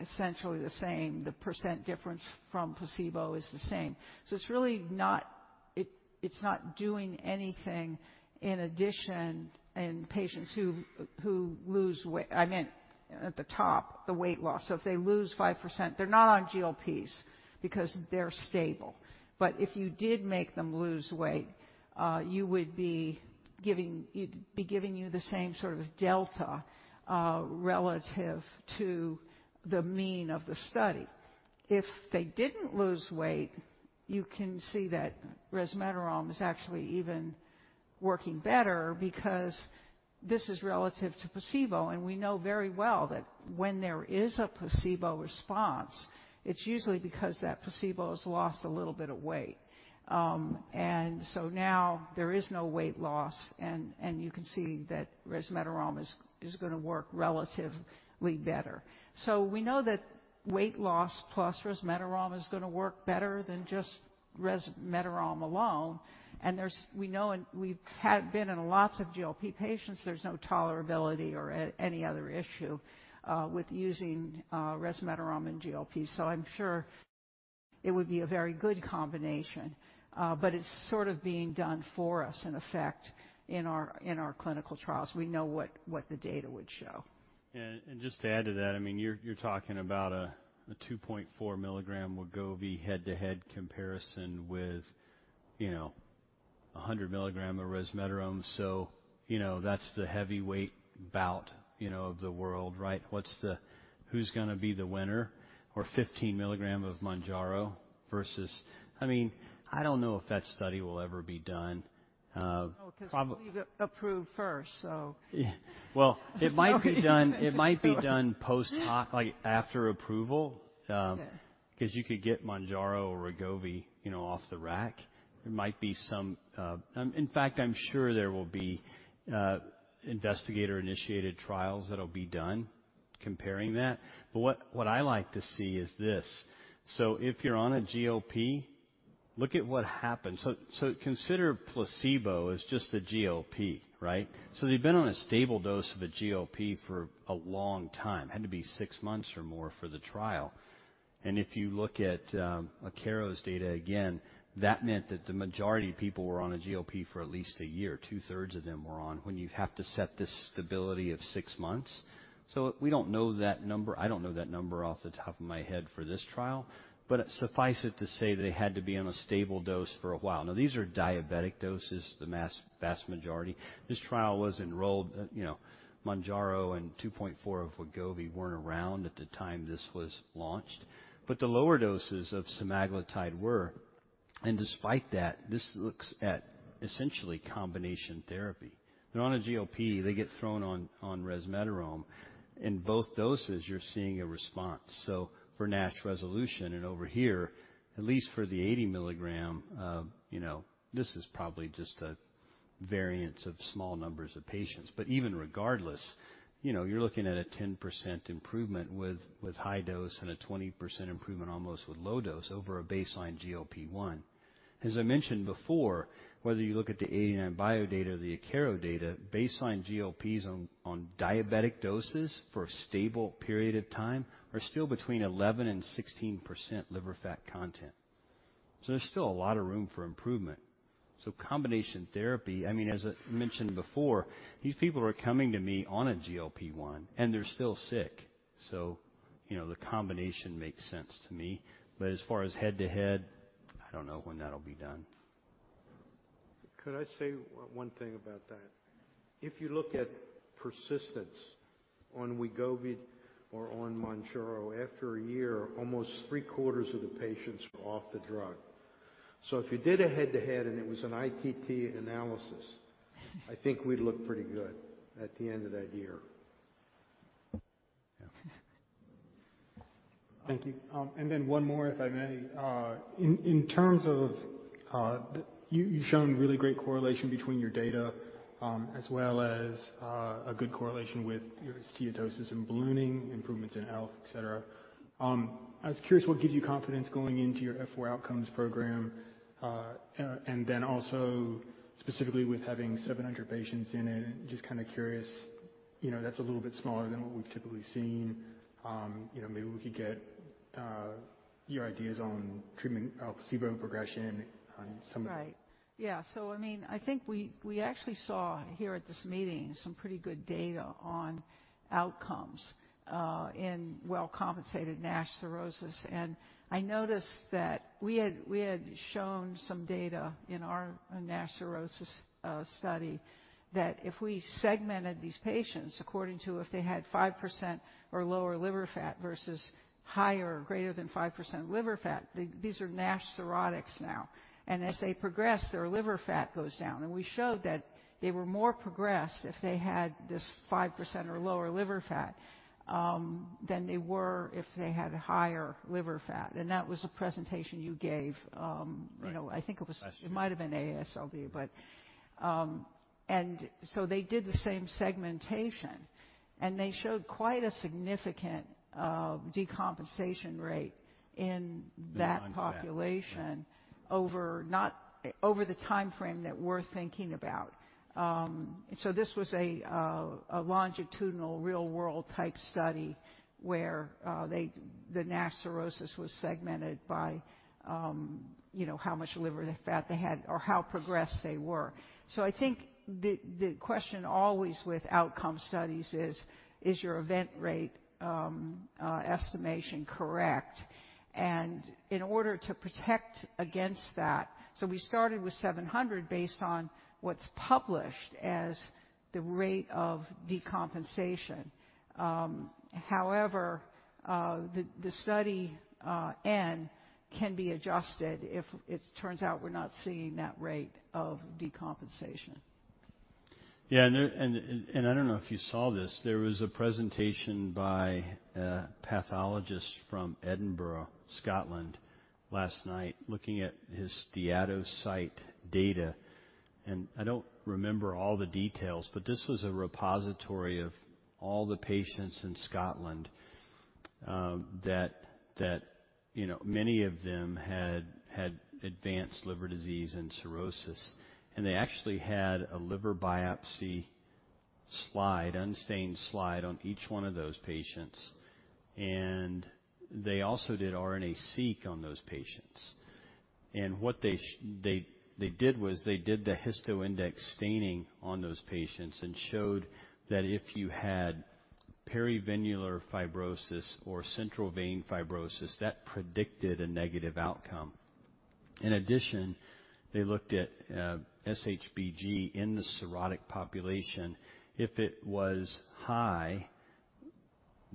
essentially the same. The % difference from placebo is the same. It's really not. It's not doing anything in addition in patients who lose weight. I meant at the top, the weight loss. If they lose 5%, they're not on GLPs because they're stable. If you did make them lose weight, it'd be giving you the same sort of delta relative to the mean of the study. If they didn't lose weight, you can see that resmetirom is actually even working better because this is relative to placebo, and we know very well that when there is a placebo response, it's usually because that placebo has lost a little bit of weight. Now there is no weight loss, and you can see that resmetirom is gonna work relatively better. We know that weight loss plus resmetirom is gonna work better than just resmetirom alone. We know, and we've had been in lots of GLP patients, there's no tolerability or any other issue with using resmetirom and GLP. I'm sure it would be a very good combination, but it's sort of being done for us in effect, in our, in our clinical trials. We know what the data would show. Just to add to that, I mean, you're talking about a 2.4 milligram Wegovy head-to-head comparison with, you know, a 100 milligram of resmetirom. You know, that's the heavyweight bout, you know, of the world, right? Who's gonna be the winner? 15 milligram of Mounjaro versus... I mean, I don't know if that study will ever be done. No, 'cause we need to approve first, so. Well, it might be done, it might be done like, after approval. Yeah. 'cause you could get Mounjaro or Wegovy, you know, off the rack. There might be some, in fact, I'm sure there will be investigator-initiated trials that'll be done comparing that. What I like to see is this: if you're on a GLP, look at what happens. Consider placebo as just a GLP, right? They've been on a stable dose of a GLP for a long time, had to be 6 months or more for the trial. If you look at Akero's data, again, that meant that the majority of people were on a GLP for at least 1 year. Two-thirds of them were on, when you have to set this stability of 6 months. We don't know that number. I don't know that number off the top of my head for this trial, but suffice it to say that they had to be on a stable dose for a while. Now, these are diabetic doses, the vast majority. This trial was enrolled, you know, Mounjaro and 2.4 of Wegovy weren't around at the time this was launched, but the lower doses of semaglutide were. Despite that, this looks at essentially combination therapy. They're on a GLP, they get thrown on resmetirom. In both doses, you're seeing a response. For NASH resolution, and over here, at least for the 80 milligram, you know, this is probably just a variance of small numbers of patients. Even regardless, you know, you're looking at a 10% improvement with high dose and a 20% improvement almost with low dose over a baseline GLP-1. As I mentioned before, whether you look at the 89bio data or the Akero data, baseline GLPs on diabetic doses for a stable period of time are still between 11% and 16% liver fat content. There's still a lot of room for improvement. Combination therapy, I mean, as I mentioned before, these people are coming to me on a GLP-1, and they're still sick. You know, the combination makes sense to me, but as far as head-to-head, I don't know when that'll be done. Could I say one thing about that? If you look at persistence on Wegovy or on Mounjaro, after a year, almost three-quarters of the patients are off the drug. If you did a head-to-head and it was an ITT analysis, I think we'd look pretty good at the end of that year. Yeah. Thank you. One more, if I may. In terms of you've shown really great correlation between your data, as well as a good correlation with your steatosis and ballooning, improvements in health, et cetera. I was curious, what gives you confidence going into your F4 outcomes program? Also specifically with having 700 patients in it, just kind of curious, you know, that's a little bit smaller than what we've typically seen. You know, maybe we could get your ideas on treatment of placebo and progression on some of the... Right. Yeah, I mean, I think we actually saw here at this meeting some pretty good data on outcomes in well-compensated NASH cirrhosis. I noticed that we had shown some data in our NASH cirrhosis study, that if we segmented these patients according to if they had 5% or lower liver fat versus higher or greater than 5% liver fat, these are NASH cirrhotics now, and as they progress, their liver fat goes down. We showed that they were more progressed if they had this 5% or lower liver fat than they were if they had higher liver fat. That was a presentation you gave. Right. you know, I think it was, it might have been AASLD. They did the same segmentation, and they showed quite a significant decompensation rate in that. Beyond that. population over the timeframe that we're thinking about. This was a longitudinal real-world type study, where they, the NASH cirrhosis was segmented by, you know, how much liver fat they had or how progressed they were. I think the question always with outcome studies is your event rate estimation correct? In order to protect against that... We started with 700, based on what's published as the rate of decompensation. However, the study N can be adjusted if it turns out we're not seeing that rate of decompensation. Yeah, I don't know if you saw this, there was a presentation by a pathologist from Edinburgh, Scotland, last night, looking at his SteatoSITE data. I don't remember all the details, but this was a repository of all the patients in Scotland, that, you know, many of them had advanced liver disease and cirrhosis, and they actually had a liver biopsy slide, unstained slide on each one of those patients. They also did RNA-Seq on those patients. What they did was they did the HistoIndex staining on those patients and showed that if you had perivenular fibrosis or central vein fibrosis, that predicted a negative outcome. In addition, they looked at SHBG in the cirrhotic population. If it was high,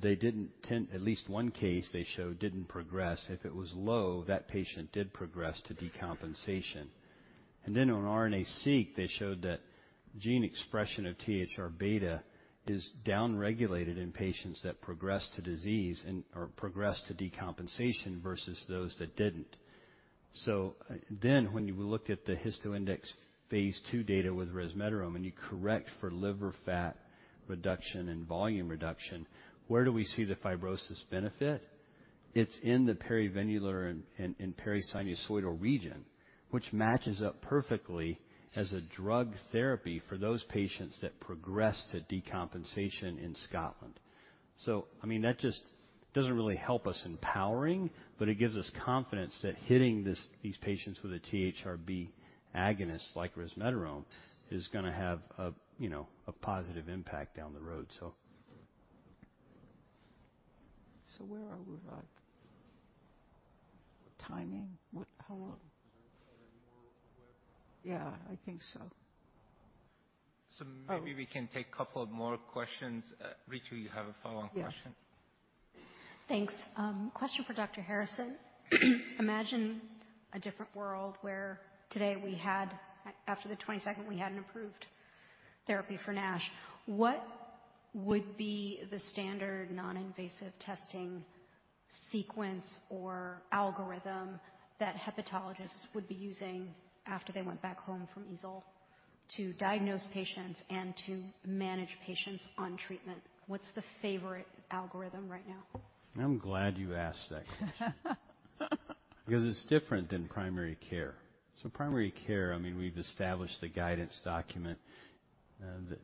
at least one case they showed didn't progress. If it was low, that patient did progress to decompensation. On RNA-Seq, they showed that gene expression of THR-β is downregulated in patients that progress to disease and/or progress to decompensation versus those that didn't. When you looked at the HistoIndex phase II data with resmetirom, and you correct for liver fat reduction and volume reduction, where do we see the fibrosis benefit? It's in the perivenular and perisinusoidal region, which matches up perfectly as a drug therapy for those patients that progress to decompensation in Scotland. I mean, that just doesn't really help us in powering, but it gives us confidence that hitting this, these patients with a THR-β agonist, like resmetirom, is gonna have a, you know, a positive impact down the road, so. Where are we, like, timing? What, how long? Yeah, I think so. Maybe we can take a couple of more questions. Richie, you have a follow-on question? Yes. Thanks. Question for Dr. Harrison. Imagine a different world where today we had, after the 22nd, we had an approved therapy for NASH. What would be the standard non-invasive testing sequence or algorithm that hepatologists would be using after they went back home from EASL to diagnose patients and to manage patients on treatment? What's the favorite algorithm right now? I'm glad you asked that question. It's different than primary care. Primary care, I mean, we've established the guidance document, and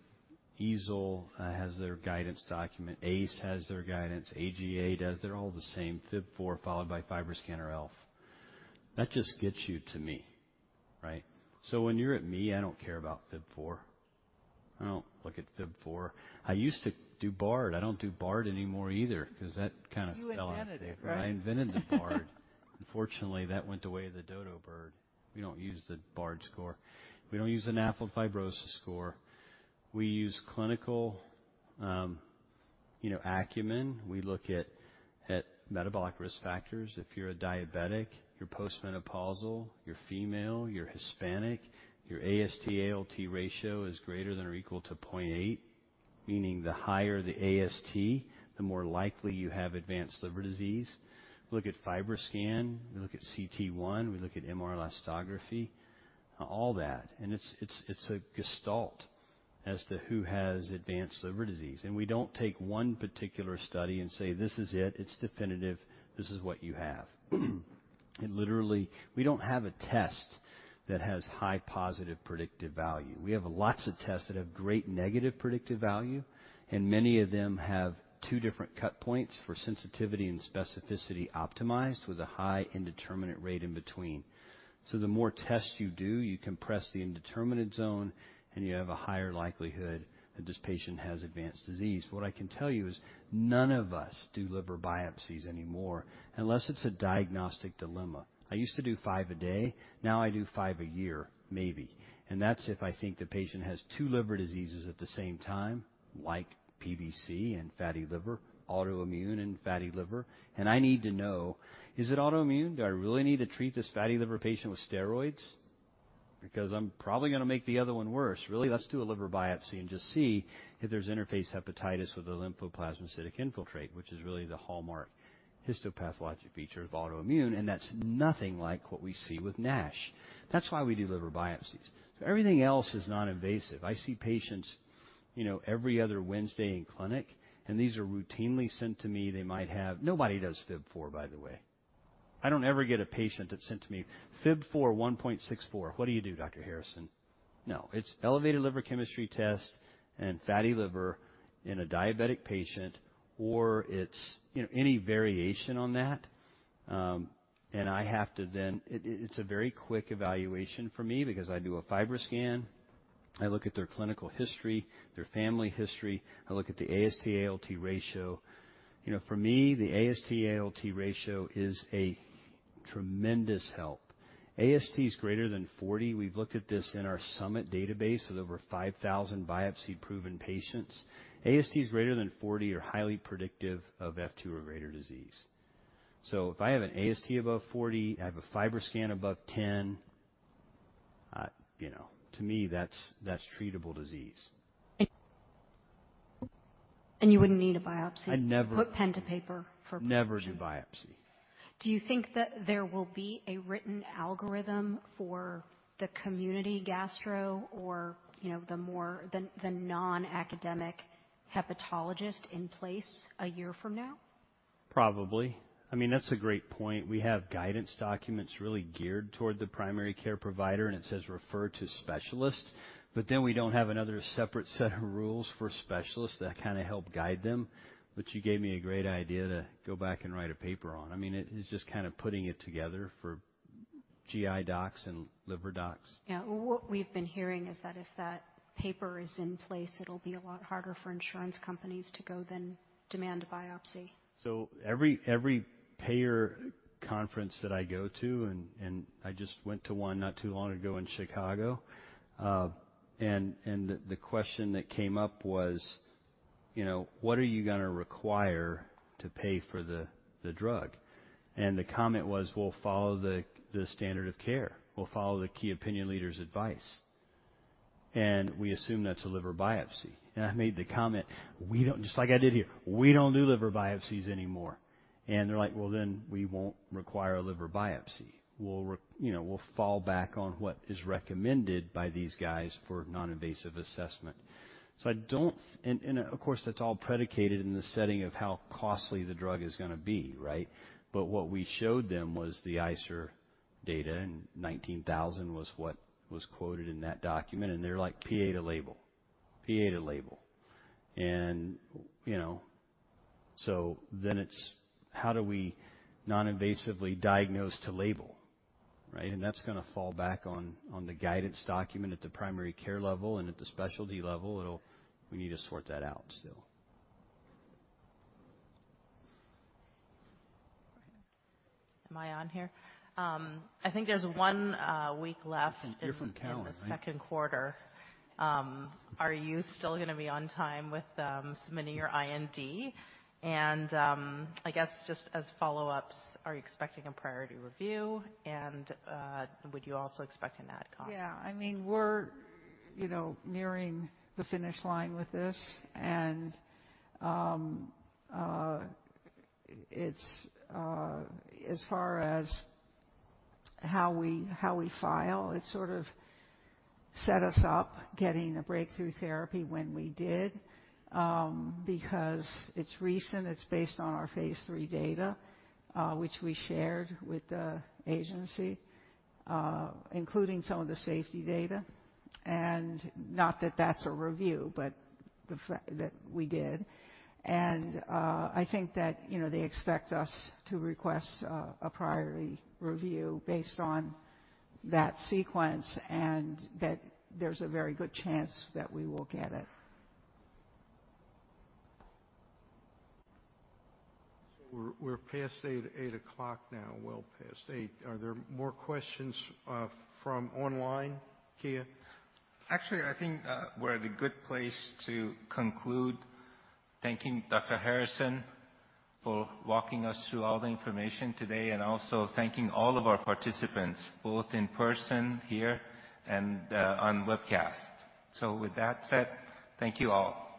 EASL has their guidance document. ACG has their guidance, AGA does. They're all the same, FIB-4, followed by FibroScan or ELF. That just gets you to me, right? When you're at me, I don't care about FIB-4. I don't look at FIB-4. I used to do BARD. I don't do BARD anymore either, 'cause that kind of fell out. You invented it, right? I invented the BARD. Unfortunately, that went the way of the dodo bird. We don't use the BARD score. We don't use an ELF fibrosis score. We use clinical, you know, acumen. We look at metabolic risk factors. If you're a diabetic, you're menopausal, you're female, you're Hispanic, your AST to ALT ratio is greater than or equal to 0.8, meaning the higher the AST, the more likely you have advanced liver disease. We look at FibroScan, we look at CAP, we look at MR elastography, all that. It's a gestalt as to who has advanced liver disease. We don't take one particular study and say, "This is it. It's definitive. This is what you have." Literally, we don't have a test that has high positive predictive value. We have lots of tests that have great negative predictive value. Many of them have two different cut points for sensitivity and specificity optimized with a high indeterminate rate in between. The more tests you do, you compress the indeterminate zone, and you have a higher likelihood that this patient has advanced disease. What I can tell you is, none of us do liver biopsies anymore unless it's a diagnostic dilemma. I used to do five a day. Now I do five a year, maybe. That's if I think the patient has two liver diseases at the same time, like PBC and fatty liver, autoimmune and fatty liver. I need to know, is it autoimmune? Do I really need to treat this fatty liver patient with steroids? I'm probably gonna make the other one worse. Let's do a liver biopsy and just see if there's interface hepatitis with a lymphoplasmocytic infiltrate, which is really the hallmark histopathologic feature of autoimmune. That's nothing like what we see with NASH. That's why we do liver biopsies. Everything else is non-invasive. I see patients, you know, every other Wednesday in clinic. These are routinely sent to me. Nobody does FIB-4, by the way. I don't ever get a patient that's sent to me, "FIB-4 1.64. What do you do, Dr. Harrison?" It's elevated liver chemistry test and fatty liver in a diabetic patient, or it's, you know, any variation on that. It's a very quick evaluation for me because I do a FibroScan. I look at their clinical history, their family history. I look at the AST to ALT ratio. You know, for me, the AST to ALT ratio is a tremendous help. AST is greater than 40. We've looked at this in our SteatoSITE database with over 5,000 biopsy-proven patients. AST is greater than 40 are highly predictive of F-two or greater disease. If I have an AST above 40, I have a FibroScan above 10, you know, to me, that's treatable disease. You wouldn't need a biopsy. I never- put pen to paper for- Never do biopsy. Do you think that there will be a written algorithm for the community gastro or, you know, the more, the non-academic hepatologist in place a year from now? Probably. I mean, that's a great point. We have guidance documents really geared toward the primary care provider, and it says, "Refer to specialist." We don't have another separate set of rules for specialists that kind of help guide them. You gave me a great idea to go back and write a paper on. It is just kind of putting it together for GI docs and liver docs. Yeah. What we've been hearing is that if that paper is in place, it'll be a lot harder for insurance companies to go then demand a biopsy. Every payer conference that I go to, and I just went to one not too long ago in Chicago. The question that came up was, you know, "What are you gonna require to pay for the drug?" The comment was, "We'll follow the standard of care. We'll follow the key opinion leader's advice." We assume that's a liver biopsy. I made the comment, "We don't..." Just like I did here, "We don't do liver biopsies anymore." They're like: Well, then we won't require a liver biopsy. You know, we'll fall back on what is recommended by these guys for non-invasive assessment. Of course, that's all predicated in the setting of how costly the drug is gonna be, right? What we showed them was the ICER data, and $19,000 was what was quoted in that document, and they're like: PA to label, PA to label. You know, it's how do we non-invasively diagnose to label, right? That's gonna fall back on the guidance document at the primary care level and at the specialty level. We need to sort that out still. Am I on here? I think there's one week left- Different calendar, right? in the second quarter. Are you still gonna be on time with submitting your IND? I guess, just as follow-ups, are you expecting a priority review? Would you also expect an ad hoc? Yeah, I mean, we're, you know, nearing the finish line with this, and it's as far as how we file, it sort of set us up getting a breakthrough therapy when we did, because it's recent, it's based on our phase III data, which we shared with the agency, including some of the safety data, and not that that's a review, but the fact that we did. I think that, you know, they expect us to request a priority review based on that sequence and that there's a very good chance that we will get it. We're past 8:00 now. Well past 8. Are there more questions from online, Kia? Actually, I think we're at a good place to conclude. Thanking Dr. Harrison for walking us through all the information today and also thanking all of our participants, both in person here and on webcast. With that said, thank you all.